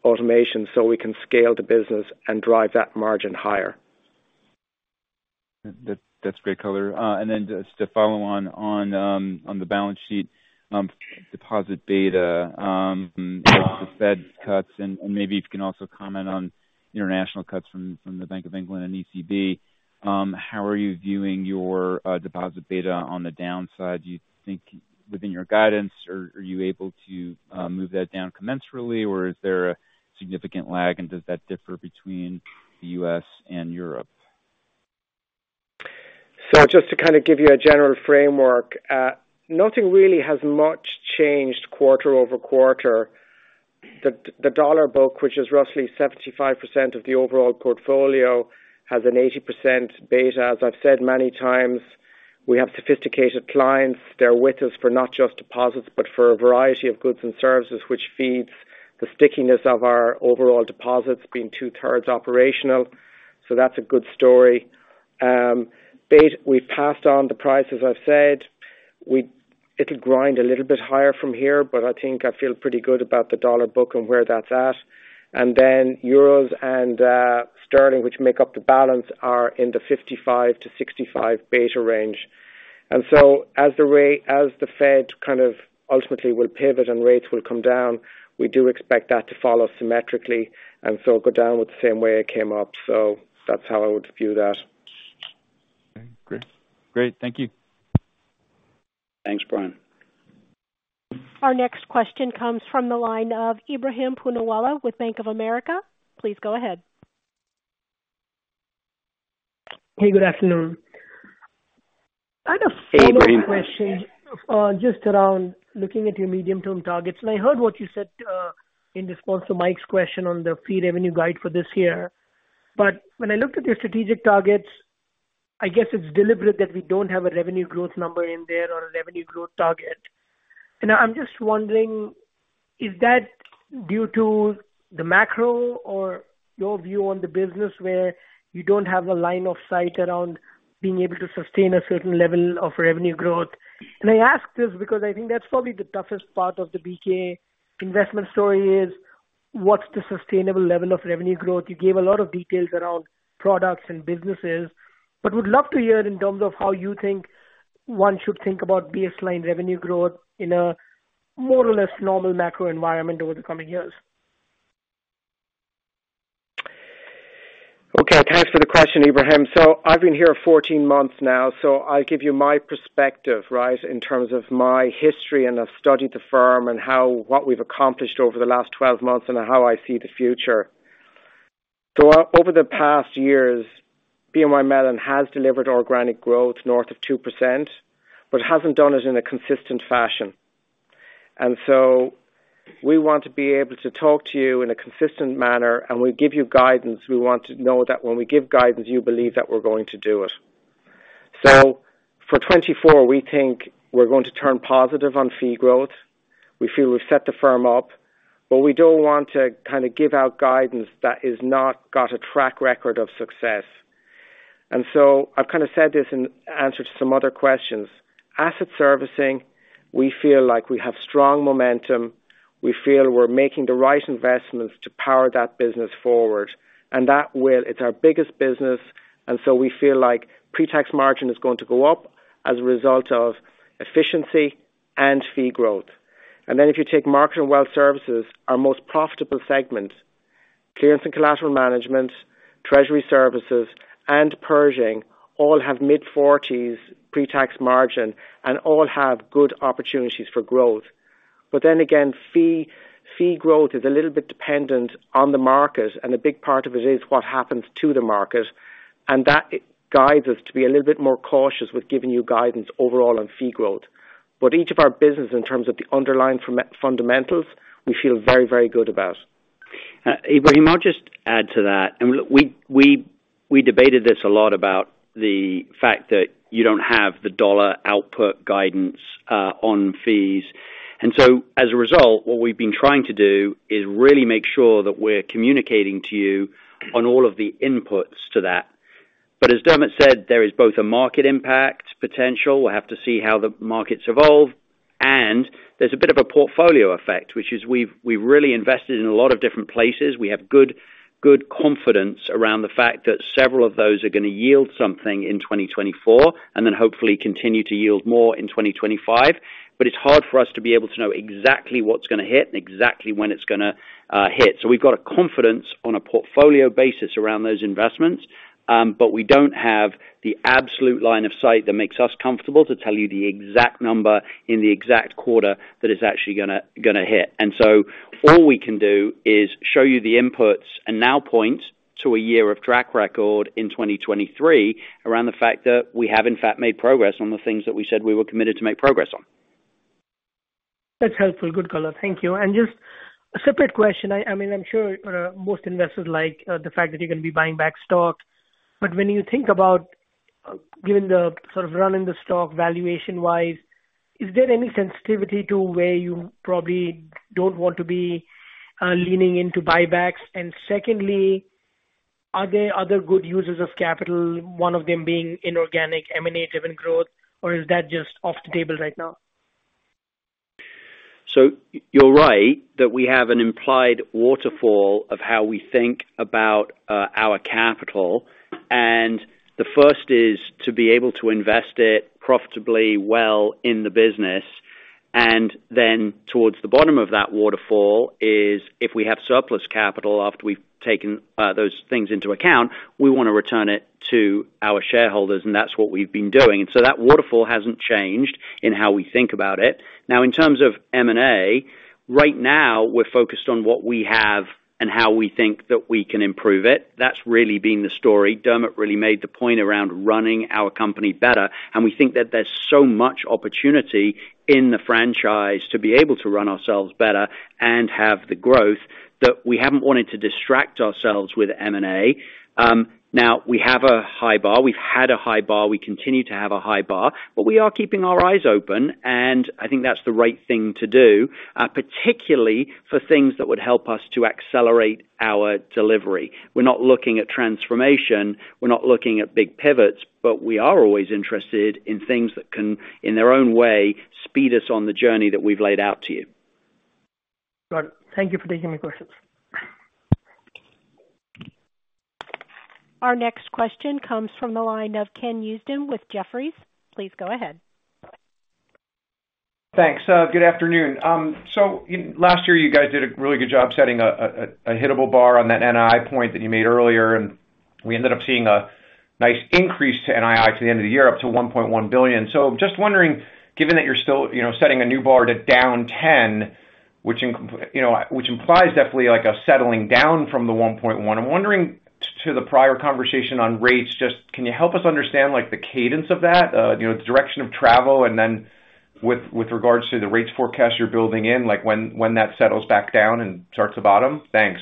automation, so we can scale the business and drive that margin higher. That, that's great color. And then just to follow on the balance sheet, deposit beta, the Fed cuts, and maybe if you can also comment on international cuts from the Bank of England and ECB. How are you viewing your deposit beta on the downside? Do you think within your guidance you are able to move that down commensurately, or is there a significant lag, and does that differ between the U.S. and Europe? So just to kind of give you a general framework, nothing really has much changed quarter-over-quarter. The dollar book, which is roughly 75% of the overall portfolio, has an 80% beta. As I've said many times, we have sophisticated clients. They're with us for not just deposits, but for a variety of goods and services, which feeds the stickiness of our overall deposits being two-thirds operational. So that's a good story. Beta, we've passed on the price, as I've said. We- it'll grind a little bit higher from here, but I think I feel pretty good about the dollar book and where that's at. And then euros and sterling, which make up the balance, are in the 55%-65% beta range. And so as the Fed kind of ultimately will pivot and rates will come down, we do expect that to follow symmetrically, and so go down in the same way it came up. So that's how I would view that. Okay, great. Great. Thank you. Thanks, Brian. Our next question comes from the line of Ebrahim Poonawala with Bank of America. Please go ahead. Hey, good afternoon. I had a follow-up question, just around looking at your medium-term targets. I heard what you said, in response to Mike's question on the fee revenue guide for this year. When I looked at your strategic targets, I guess it's deliberate that we don't have a revenue growth number in there or a revenue growth target. I'm just wondering, is that due to the macro or your view on the business, where you don't have a line of sight around being able to sustain a certain level of revenue growth? I ask this because I think that's probably the toughest part of the BK investment story, is what's the sustainable level of revenue growth? You gave a lot of details around products and businesses, but would love to hear in terms of how you think one should think about baseline revenue growth in a more or less normal macro environment over the coming years? Okay, thanks for the question, Ebrahim. So I've been here 14 months now, so I'll give you my perspective, right, in terms of my history, and I've studied the firm and what we've accomplished over the last 12 months and how I see the future. So over the past years, BNY Mellon has delivered organic growth north of 2%, but hasn't done it in a consistent fashion. And so we want to be able to talk to you in a consistent manner, and we give you guidance. We want to know that when we give guidance, you believe that we're going to do it. So for 2024, we think we're going to turn positive on fee growth. We feel we've set the firm up, but we don't want to kind of give out guidance that has not got a track record of success. I've kind of said this in answer to some other questions. Asset Servicing, we feel like we have strong momentum. We feel we're making the right investments to power that business forward, and that will—it's our biggest business, and so we feel like pre-tax margin is going to go up as a result of efficiency and fee growth. And then if you take Market and Wealth Services, our most profitable segment, Clearance and Collateral Management, Treasury Services and Pershing all have mid-forties pre-tax margin and all have good opportunities for growth. But then again, fee, fee growth is a little bit dependent on the market, and a big part of it is what happens to the market, and that guides us to be a little bit more cautious with giving you guidance overall on fee growth. But each of our business, in terms of the underlying fundamentals, we feel very, very good about. Ebrahim, I'll just add to that. And look, we debated this a lot about the fact that you don't have the dollar output guidance on fees. And so as a result, what we've been trying to do is really make sure that we're communicating to you on all of the inputs to that. But as Dermot said, there is both a market impact potential, we'll have to see how the markets evolve, and there's a bit of a portfolio effect, which is we've really invested in a lot of different places. We have good confidence around the fact that several of those are gonna yield something in 2024, and then hopefully continue to yield more in 2025. But it's hard for us to be able to know exactly what's gonna hit and exactly when it's gonna hit. So we've got a confidence on a portfolio basis around those investments. But we don't have the absolute line of sight that makes us comfortable to tell you the exact number in the exact quarter that it's actually gonna hit. And so all we can do is show you the inputs and now point to a year of track record in 2023 around the fact that we have, in fact, made progress on the things that we said we were committed to make progress on. That's helpful. Good color. Thank you. And just a separate question. I mean, I'm sure most investors like the fact that you're gonna be buying back stock, but when you think about, given the sort of run in the stock valuation-wise, is there any sensitivity to where you probably don't want to be leaning into buybacks? And secondly, are there other good uses of capital, one of them being inorganic M&A driven growth, or is that just off the table right now? So you're right that we have an implied waterfall of how we think about our capital, and the first is to be able to invest it profitably well in the business. And then towards the bottom of that waterfall is, if we have surplus capital after we've taken those things into account, we wanna return it to our shareholders, and that's what we've been doing. And so that waterfall hasn't changed in how we think about it. Now, in terms of M&A, right now, we're focused on what we have and how we think that we can improve it. That's really been the story. Dermot really made the point around running our company better, and we think that there's so much opportunity in the franchise to be able to run ourselves better and have the growth, that we haven't wanted to distract ourselves with M&A. Now, we have a high bar. We've had a high bar. We continue to have a high bar, but we are keeping our eyes open, and I think that's the right thing to do, particularly for things that would help us to accelerate our delivery. We're not looking at transformation, we're not looking at big pivots, but we are always interested in things that can, in their own way, speed us on the journey that we've laid out to you. Got it. Thank you for taking my questions. Our next question comes from the line of Ken Usdin with Jefferies. Please go ahead. Thanks. Good afternoon. So in last year, you guys did a really good job setting a hittable bar on that NII point that you made earlier, and we ended up seeing a nice increase to NII to the end of the year, up to $1.1 billion. So just wondering, given that you're still, you know, setting a new bar to down 10%, which implies definitely like a settling down from the $1.1 billion. I'm wondering to the prior conversation on rates, just can you help us understand, like, the cadence of that? You know, the direction of travel and then with regards to the rates forecast you're building in, like, when that settles back down and starts to bottom? Thanks.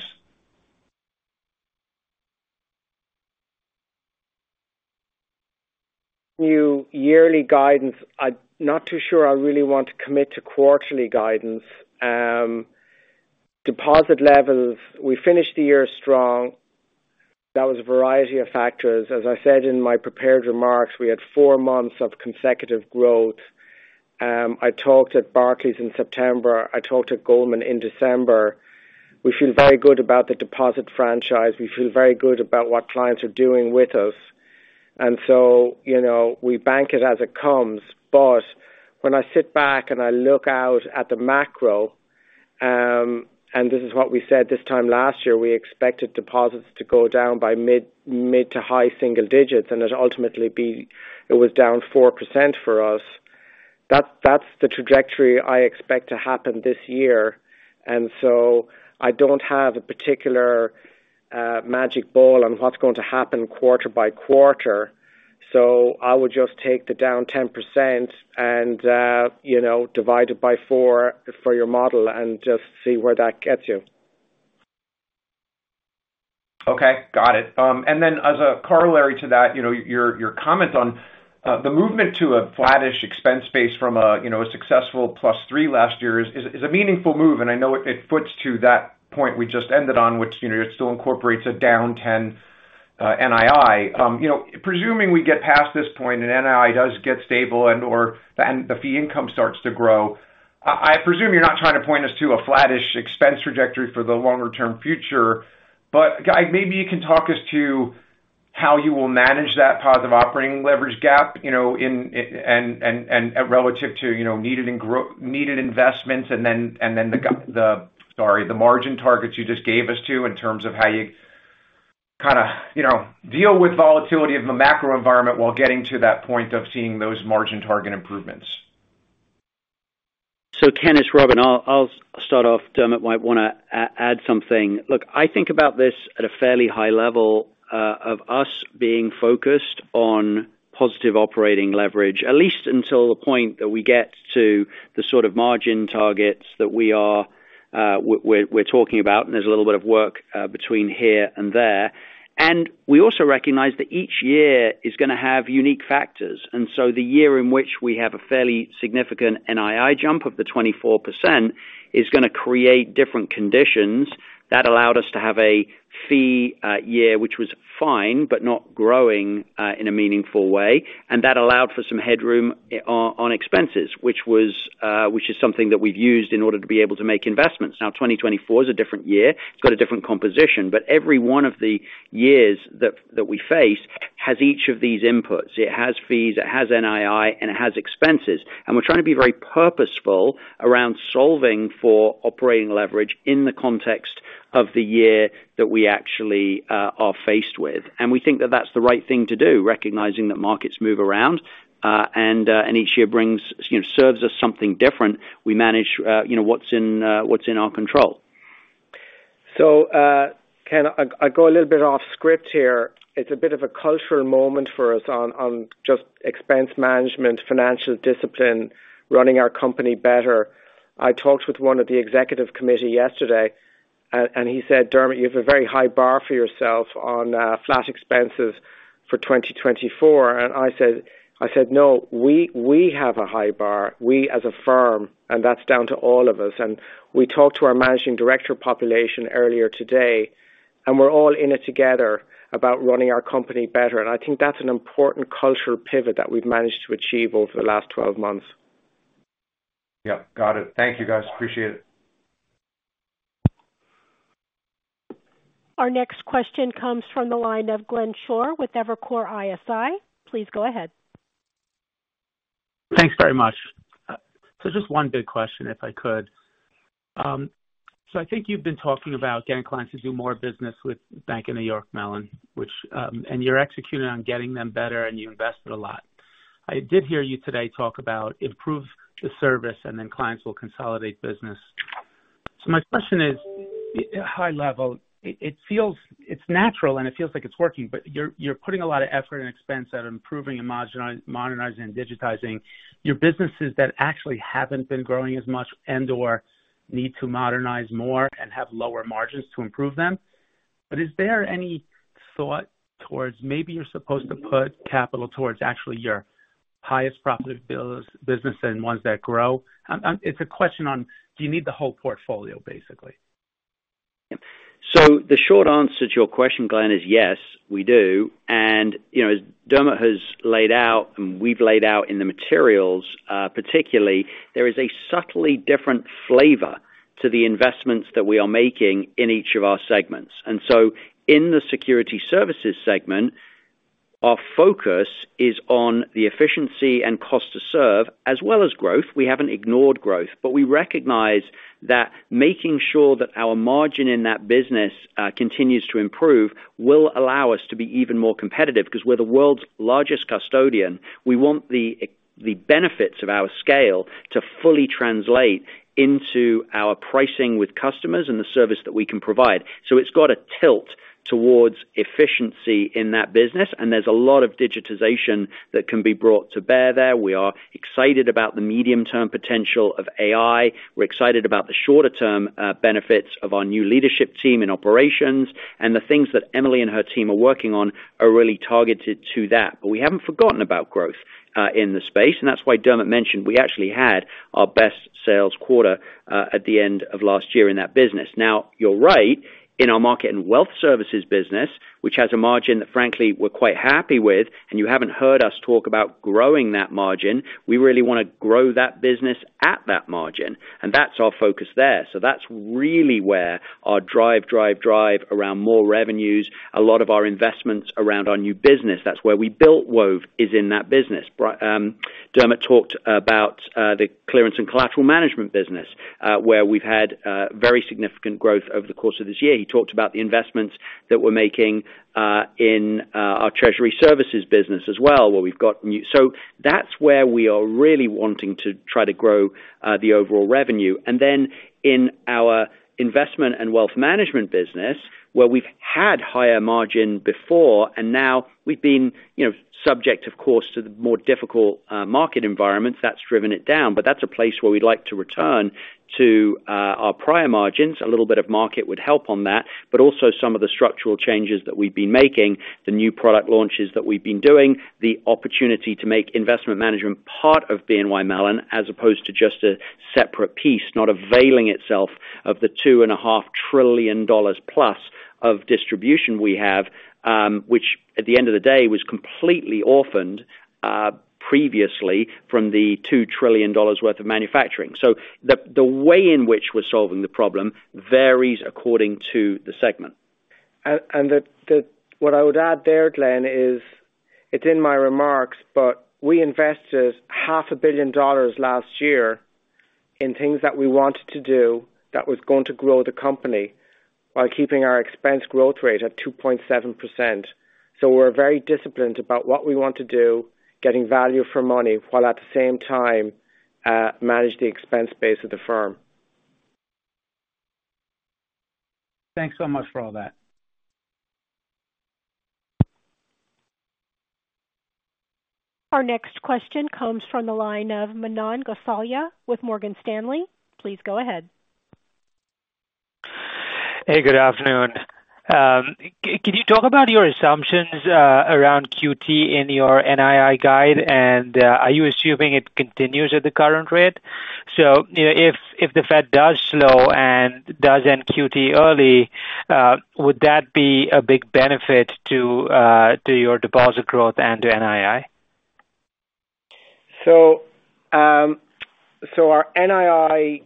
New yearly guidance, I'm not too sure I really want to commit to quarterly guidance. Deposit levels, we finished the year strong. That was a variety of factors. As I said in my prepared remarks, we had four months of consecutive growth. I talked at Barclays in September. I talked at Goldman in December. We feel very good about the deposit franchise. We feel very good about what clients are doing with us, and so, you know, we bank it as it comes. But when I sit back and I look out at the macro, and this is what we said this time last year, we expected deposits to go down by mid- to high-single digits, and it ultimately was down 4% for us. That, that's the trajectory I expect to happen this year, and so I don't have a particular, magic ball on what's going to happen quarter by quarter. I would just take the down 10% and, you know, divide it by four for your model and just see where that gets you. Okay, got it. And then as a corollary to that, you know, your comment on the movement to a flattish expense base from a, you know, a successful +3 last year is a meaningful move, and I know it foots to that point we just ended on, which, you know, it still incorporates a down 10 NII. You know, presuming we get past this point and NII does get stable and/or the fee income starts to grow, I presume you're not trying to point us to a flattish expense trajectory for the longer term future. But guy, maybe you can talk us to how you will manage that positive operating leverage gap, you know, in and relative to, you know, needed and growing needed investments, and then the—sorry, the margin targets you just gave us too, in terms of how you kinda, you know, deal with volatility of the macro environment while getting to that point of seeing those margin target improvements? So Ken, it's Robin. I'll start off, Dermot might wanna add something. Look, I think about this at a fairly high level, of us being focused on positive operating leverage, at least until the point that we get to the sort of margin targets that we are, we're talking about, and there's a little bit of work between here and there. And we also recognize that each year is gonna have unique factors, and so the year in which we have a fairly significant NII jump of the 24% is gonna create different conditions that allowed us to have a fee year, which was fine, but not growing in a meaningful way. And that allowed for some headroom on expenses, which is something that we've used in order to be able to make investments. Now, 2024 is a different year, it's got a different composition, but every one of the years that we face has each of these inputs. It has fees, it has NII, and it has expenses. And we're trying to be very purposeful around solving for operating leverage in the context of the year that we actually are faced with. And we think that that's the right thing to do, recognizing that markets move around, and each year brings, you know, serves us something different. We manage, you know, what's in our control. So, Ken, I go a little bit off script here. It's a bit of a cultural moment for us on just expense management, financial discipline, running our company better. I talked with one of the executive committee yesterday, and he said, "Dermot, you have a very high bar for yourself on flat expenses for 2024." And I said, I said, "No, we have a high bar. We as a firm, and that's down to all of us." And we talked to our managing director population earlier today, and we're all in it together about running our company better. And I think that's an important cultural pivot that we've managed to achieve over the last 12 months. Yep, got it. Thank you, guys. Appreciate it. Our next question comes from the line of Glenn Schorr with Evercore ISI. Please go ahead. Thanks very much. So just one big question, if I could. So I think you've been talking about getting clients to do more business with Bank of New York Mellon, which, and you're executing on getting them better, and you invested a lot. I did hear you today talk about improve the service, and then clients will consolidate business. So my question is, high level, it feels it's natural, and it feels like it's working, but you're putting a lot of effort and expense at improving and modernizing and digitizing your businesses that actually haven't been growing as much and/or need to modernize more and have lower margins to improve them. But is there any thought towards maybe you're supposed to put capital towards actually your highest profitable bills, business and ones that grow? It's a question on, do you need the whole portfolio, basically? So the short answer to your question, Glenn, is yes, we do. And, you know, as Dermot has laid out and we've laid out in the materials, particularly, there is a subtly different flavor to the investments that we are making in each of our segments. And so in Securities Services segment, our focus is on the efficiency and cost to serve as well as growth. We haven't ignored growth, but we recognize that making sure that our margin in that business continues to improve will allow us to be even more competitive. Because we're the world's largest custodian, we want the benefits of our scale to fully translate into our pricing with customers and the service that we can provide. So it's got a tilt towards efficiency in that business, and there's a lot of digitization that can be brought to bear there. We are excited about the medium-term potential of AI. We're excited about the shorter term, benefits of our new leadership team in operations, and the things that Emily and her team are working on are really targeted to that. But we haven't forgotten about growth, in the space, and that's why Dermot mentioned we actually had our best sales quarter, at the end of last year in that business. Now, you're right, in our Market and Wealth Services business, which has a margin that, frankly, we're quite happy with, and you haven't heard us talk about growing that margin. We really wanna grow that business at that margin, and that's our focus there. So that's really where our drive, drive, drive around more revenues, a lot of our investments around our new business. That's where we built Wove is in that business. Dermot talked about the clearance and collateral management business, where we've had very significant growth over the course of this year. He talked about the investments that we're making in our treasury services business as well, so that's where we are really wanting to try to grow the overall revenue. And then in our Investment and Wealth Management business, where we've had higher margin before, and now we've been, you know, subject, of course, to the more difficult market environments, that's driven it down. But that's a place where we'd like to return to our prior margins. A little bit of market would help on that, but also some of the structural changes that we've been making, the new product launches that we've been doing, the opportunity to make investment management part of BNY Mellon, as opposed to just a separate piece, not availing itself of the $2.5 trillion plus of distribution we have, which, at the end of the day, was completely orphaned, previously from the $2 trillion worth of manufacturing. So the way in which we're solving the problem varies according to the segment. What I would add there, Glenn, is it's in my remarks, but we invested $500 million last year in things that we wanted to do that was going to grow the company while keeping our expense growth rate at 2.7%. So we're very disciplined about what we want to do, getting value for money, while at the same time, manage the expense base of the firm. Thanks so much for all that. Our next question comes from the line of Manan Gosalia with Morgan Stanley. Please go ahead. Hey, good afternoon. Could you talk about your assumptions around QT in your NII guide, and are you assuming it continues at the current rate? So, you know, if the Fed does slow and does end QT early, would that be a big benefit to your deposit growth and to NII? So, so our NII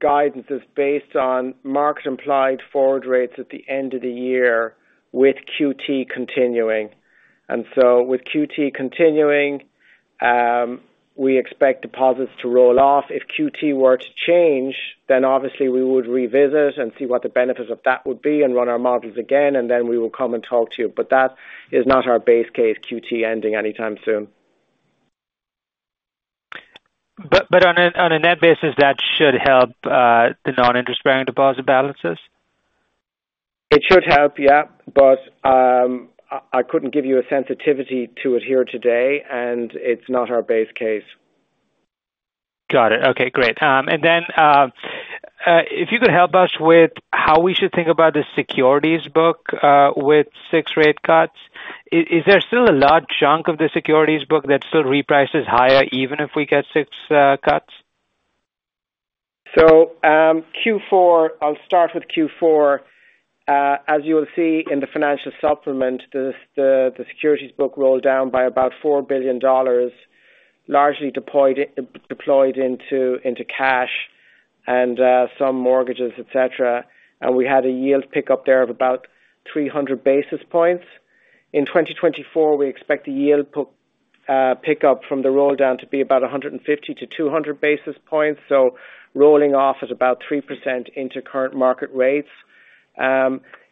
guidance is based on market-implied forward rates at the end of the year with QT continuing. And so with QT continuing, we expect deposits to roll off. If QT were to change, then obviously we would revisit and see what the benefits of that would be and run our models again, and then we will come and talk to you. But that is not our base case, QT ending anytime soon. But on a net basis, that should help the non-interest-bearing deposit balances? It should help, yeah, but I couldn't give you a sensitivity to it here today, and it's not our base case. Got it. Okay, great. And then, if you could help us with how we should think about the securities book, with six rate cuts. Is there still a large chunk of the securities book that still reprices higher, even if we get six cuts? So, Q4. I'll start with Q4. As you will see in the financial supplement, the securities book rolled down by about $4 billion, largely deployed into cash and some mortgages, et cetera. We had a yield pickup there of about 300 basis points. In 2024, we expect a yield pickup from the roll down to be about 150-200 basis points, so rolling off at about 3% into current market rates.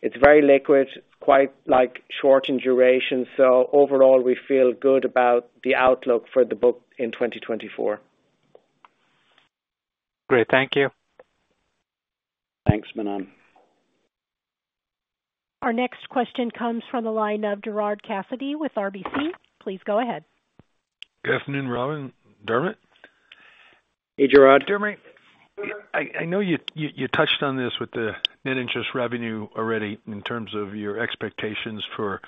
It's very liquid, quite short in duration, so overall, we feel good about the outlook for the book in 2024. Great. Thank you. Thanks, Manan. Our next question comes from the line of Gerard Cassidy with RBC. Please go ahead. Good afternoon, Robin, Dermot. Hey, Gerard. Dermot, I know you touched on this with the net interest revenue already in terms of your expectations for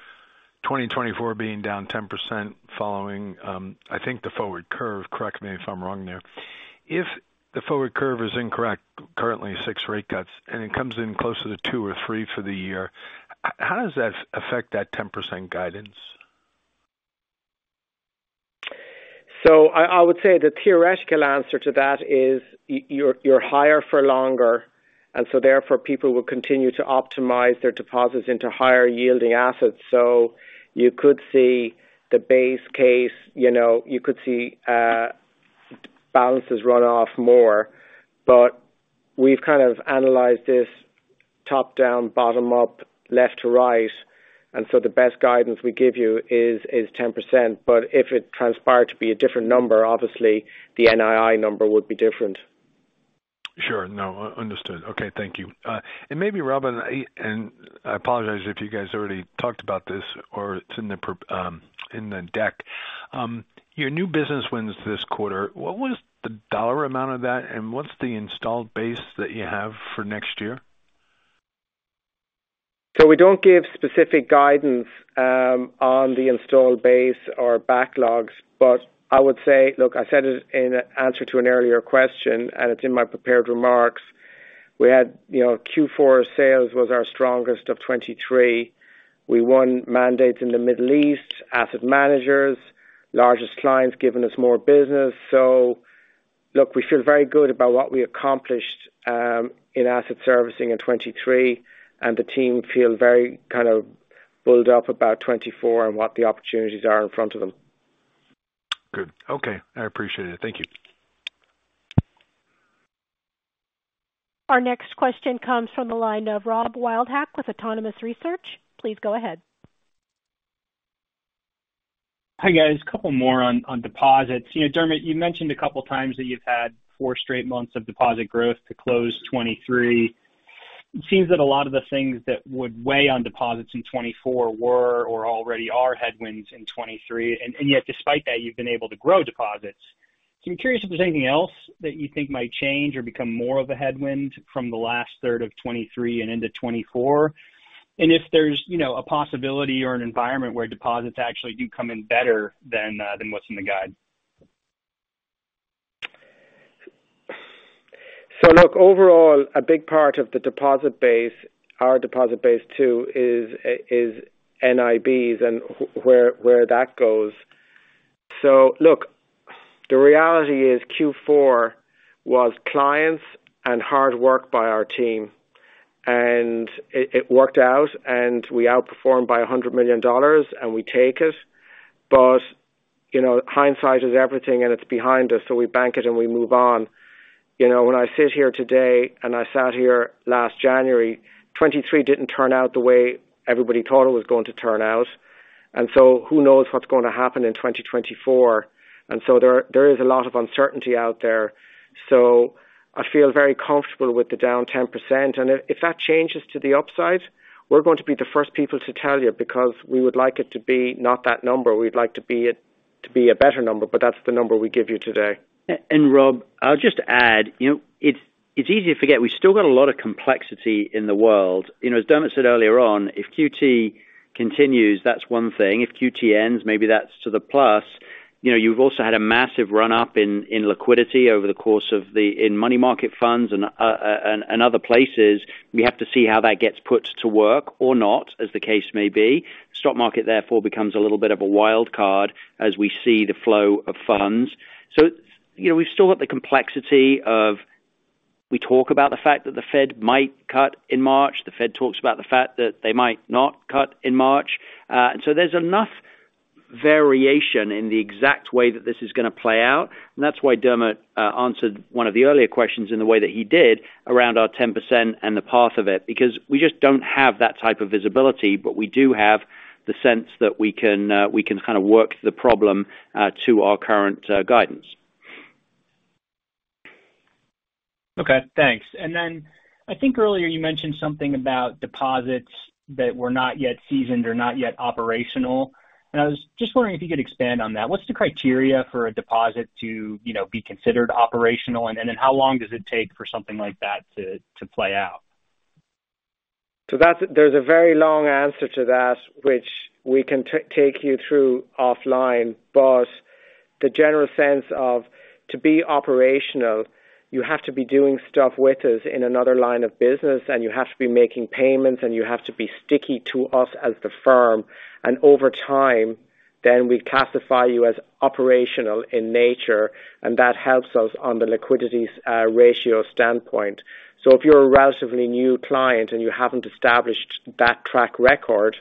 2024 being down 10% following, I think the forward curve, correct me if I'm wrong there. If the forward curve is incorrect, currently 6 rate cuts, and it comes in closer to 2 or 3 for the year, how does that affect that 10% guidance? So I would say the theoretical answer to that is you're higher for longer, and so therefore, people will continue to optimize their deposits into higher yielding assets. So you could see the base case, you know, you could see balances run off more, but we've kind of analyzed this top down, bottom up, left to right, and so the best guidance we give you is 10%. But if it transpired to be a different number, obviously the NII number would be different. Sure. No, understood. Okay. Thank you. And maybe Robin, and I apologize if you guys already talked about this or it's in the deck. Your new business wins this quarter, what was the dollar amount of that, and what's the installed base that you have for next year? So we don't give specific guidance on the installed base or backlogs, but I would say. Look, I said it in answer to an earlier question, and it's in my prepared remarks. We had, you know, Q4 sales was our strongest of 2023. We won mandates in the Middle East, asset managers, largest clients giving us more business. So look, we feel very good about what we accomplished in Asset Servicing in 2023, and the team feel very kind of bulled up about 2024 and what the opportunities are in front of them. Good. Okay, I appreciate it. Thank you. Our next question comes from the line of Rob Wildhack with Autonomous Research. Please go ahead. Hi, guys. A couple more on deposits. You know, Dermot, you mentioned a couple times that you've had four straight months of deposit growth to close 2023. It seems that a lot of the things that would weigh on deposits in 2024 were or already are headwinds in 2023, and yet despite that, you've been able to grow deposits. So I'm curious if there's anything else that you think might change or become more of a headwind from the last third of 2023 and into 2024, and if there's, you know, a possibility or an environment where deposits actually do come in better than what's in the guide? So look, overall, a big part of the deposit base, our deposit base too, is NIBs and where that goes. So look, the reality is Q4 was clients and hard work by our team, and it worked out, and we outperformed by $100 million, and we take it. But you know, hindsight is everything, and it's behind us, so we bank it, and we move on. You know, when I sit here today, and I sat here last January, 2023 didn't turn out the way everybody thought it was going to turn out, and so who knows what's going to happen in 2024? And so there is a lot of uncertainty out there. So I feel very comfortable with the down 10%, and if, if that changes to the upside, we're going to be the first people to tell you, because we would like it to be not that number. We'd like to be it, to be a better number, but that's the number we give you today. And Rob, I'll just add, you know, it's easy to forget, we've still got a lot of complexity in the world. You know, as Dermot said earlier on, if QT continues, that's one thing. If QT ends, maybe that's to the plus. You know, you've also had a massive run-up in liquidity over the course of the in money market funds and other places. We have to see how that gets put to work or not, as the case may be. Stock market therefore becomes a little bit of a wild card as we see the flow of funds. So, you know, we've still got the complexity of the fact that the Fed might cut in March. The Fed talks about the fact that they might not cut in March. And so there's enough variation in the exact way that this is gonna play out, and that's why Dermot answered one of the earlier questions in the way that he did around our 10% and the path of it, because we just don't have that type of visibility. But we do have the sense that we can, we can kind of work the problem, to our current, guidance. Okay, thanks. And then I think earlier you mentioned something about deposits that were not yet seasoned or not yet operational, and I was just wondering if you could expand on that. What's the criteria for a deposit to, you know, be considered operational? And then how long does it take for something like that to, to play out? So that's there's a very long answer to that, which we can take you through offline. But the general sense of, to be operational, you have to be doing stuff with us in another line of business, and you have to be making payments, and you have to be sticky to us as the firm. And over time, then we classify you as operational in nature, and that helps us on the liquidity's ratio standpoint. So if you're a relatively new client and you haven't established that track record,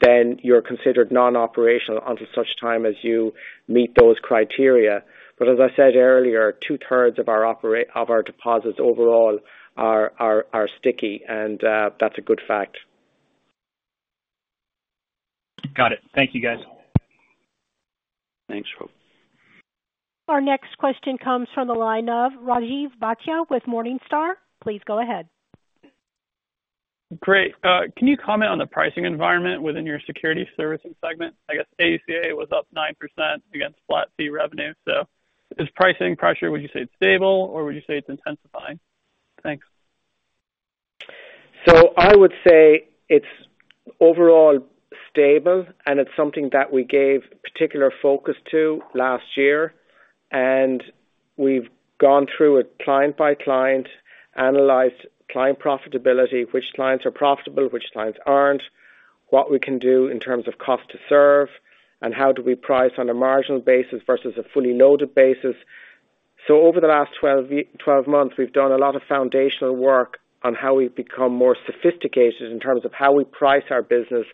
then you're considered non-operational until such time as you meet those criteria. But as I said earlier, two-thirds of our deposits overall are sticky, and that's a good fact. Got it. Thank you, guys. Thanks, Rob. Our next question comes from the line of Rajiv Bhatia with Morningstar. Please go ahead. Great. Can you comment on the pricing environment within your security servicing segment? I guess AUC/A was up 9% against flat fee revenue. So is pricing pressure, would you say it's stable, or would you say it's intensifying? Thanks. So I would say it's overall stable, and it's something that we gave particular focus to last year, and we've gone through it client by client, analyzed client profitability, which clients are profitable, which clients aren't, what we can do in terms of cost to serve, and how do we price on a marginal basis versus a fully loaded basis. So over the last 12 months, we've done a lot of foundational work on how we've become more sophisticated in terms of how we price our business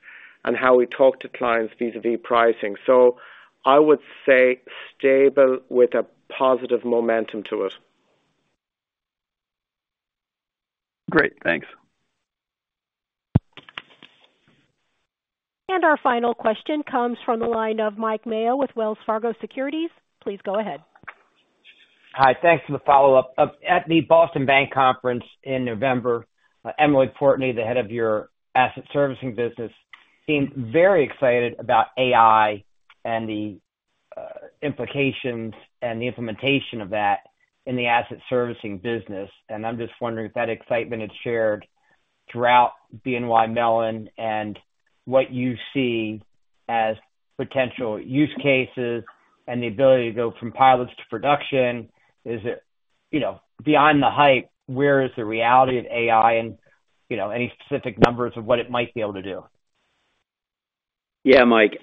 and how we talk to clients vis-à-vis pricing. So I would say stable with a positive momentum to it. Great, thanks. Our final question comes from the line of Mike Mayo with Wells Fargo Securities. Please go ahead. Hi, thanks for the follow-up. At the Boston Bank Conference in November, Emily Portney, the head of your Asset Servicing business, seemed very excited about AI and the implications and the implementation of that in the Asset Servicing business. I'm just wondering if that excitement is shared throughout BNY Mellon, and what you see as potential use cases and the ability to go from pilots to production. Is it... You know, beyond the hype, where is the reality of AI? You know, any specific numbers of what it might be able to do? Yeah, Mike.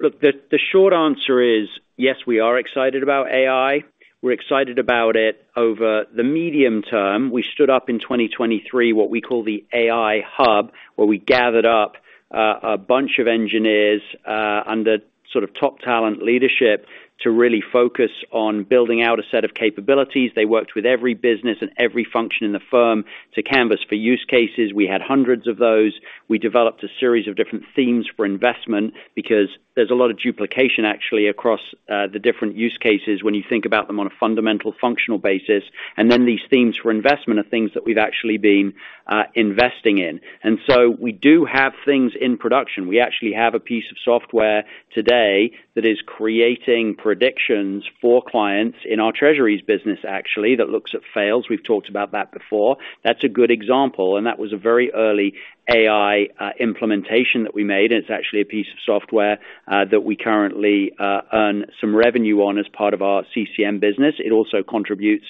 Look, the short answer is, yes, we are excited about AI. We're excited about it over the medium term. We stood up in 2023 what we call the AI hub, where we gathered up a bunch of engineers under sort of top talent leadership to really focus on building out a set of capabilities. They worked with every business and every function in the firm to canvas for use cases. We had hundreds of those. We developed a series of different themes for investment because there's a lot of duplication actually across the different use cases when you think about them on a fundamental functional basis. And then these themes for investment are things that we've actually been investing in. And so we do have things in production. We actually have a piece of software today that is creating predictions for clients in our treasuries business, actually, that looks at fails. We've talked about that before. That's a good example, and that was a very early AI implementation that we made. It's actually a piece of software that we currently earn some revenue on as part of our CCM business. It also contributes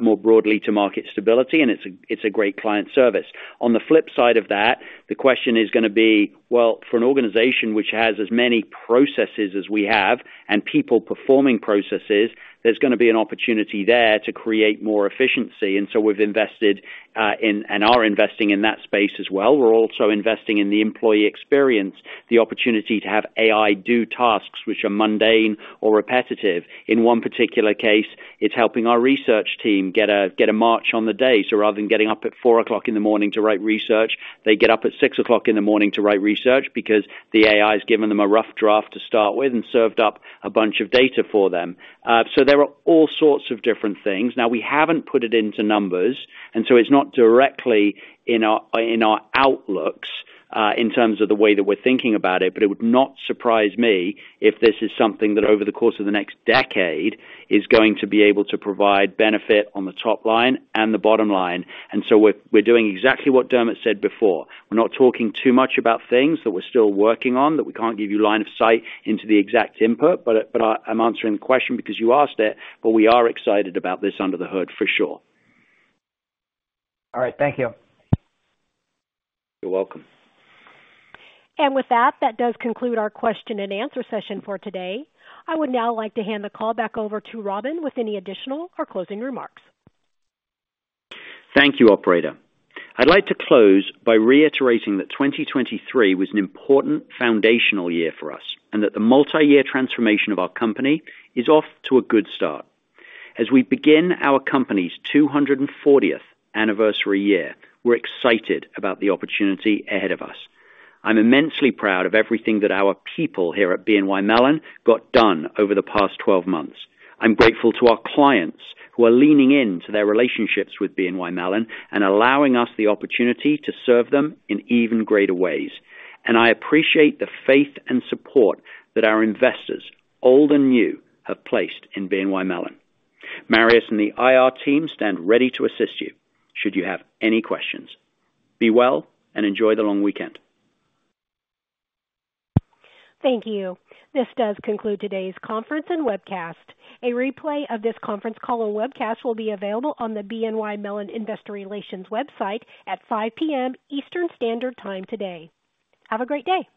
more broadly to market stability, and it's a, it's a great client service. On the flip side of that, the question is gonna be: Well, for an organization which has as many processes as we have, and people performing processes, there's gonna be an opportunity there to create more efficiency. And so we've invested in, and are investing in that space as well. We're also investing in the employee experience, the opportunity to have AI do tasks which are mundane or repetitive. In one particular case, it's helping our research team get a march on the day. So rather than getting up at four o'clock in the morning to write research, they get up at six o'clock in the morning to write research because the AI has given them a rough draft to start with and served up a bunch of data for them. So there are all sorts of different things. Now we haven't put it into numbers, and so it's not directly in our outlooks in terms of the way that we're thinking about it, but it would not surprise me if this is something that over the course of the next decade is going to be able to provide benefit on the top line and the bottom line. And so we're doing exactly what Dermot said before. We're not talking too much about things that we're still working on, that we can't give you line of sight into the exact input, but I'm answering the question because you asked it, but we are excited about this under the hood for sure. All right. Thank you. You're welcome. With that, that does conclude our question and answer session for today. I would now like to hand the call back over to Robin with any additional or closing remarks. Thank you, Operator. I'd like to close by reiterating that 2023 was an important foundational year for us, and that the multi-year transformation of our company is off to a good start. As we begin our company's 240th anniversary year, we're excited about the opportunity ahead of us. I'm immensely proud of everything that our people here at BNY Mellon got done over the past 12 months. I'm grateful to our clients who are leaning into their relationships with BNY Mellon and allowing us the opportunity to serve them in even greater ways. And I appreciate the faith and support that our investors, old and new, have placed in BNY Mellon. Marius and the IR team stand ready to assist you, should you have any questions. Be well and enjoy the long weekend. Thank you. This does conclude today's conference and webcast. A replay of this conference call and webcast will be available on the BNY Mellon Investor Relations website at 5:00 P.M. Eastern Standard Time today. Have a great day.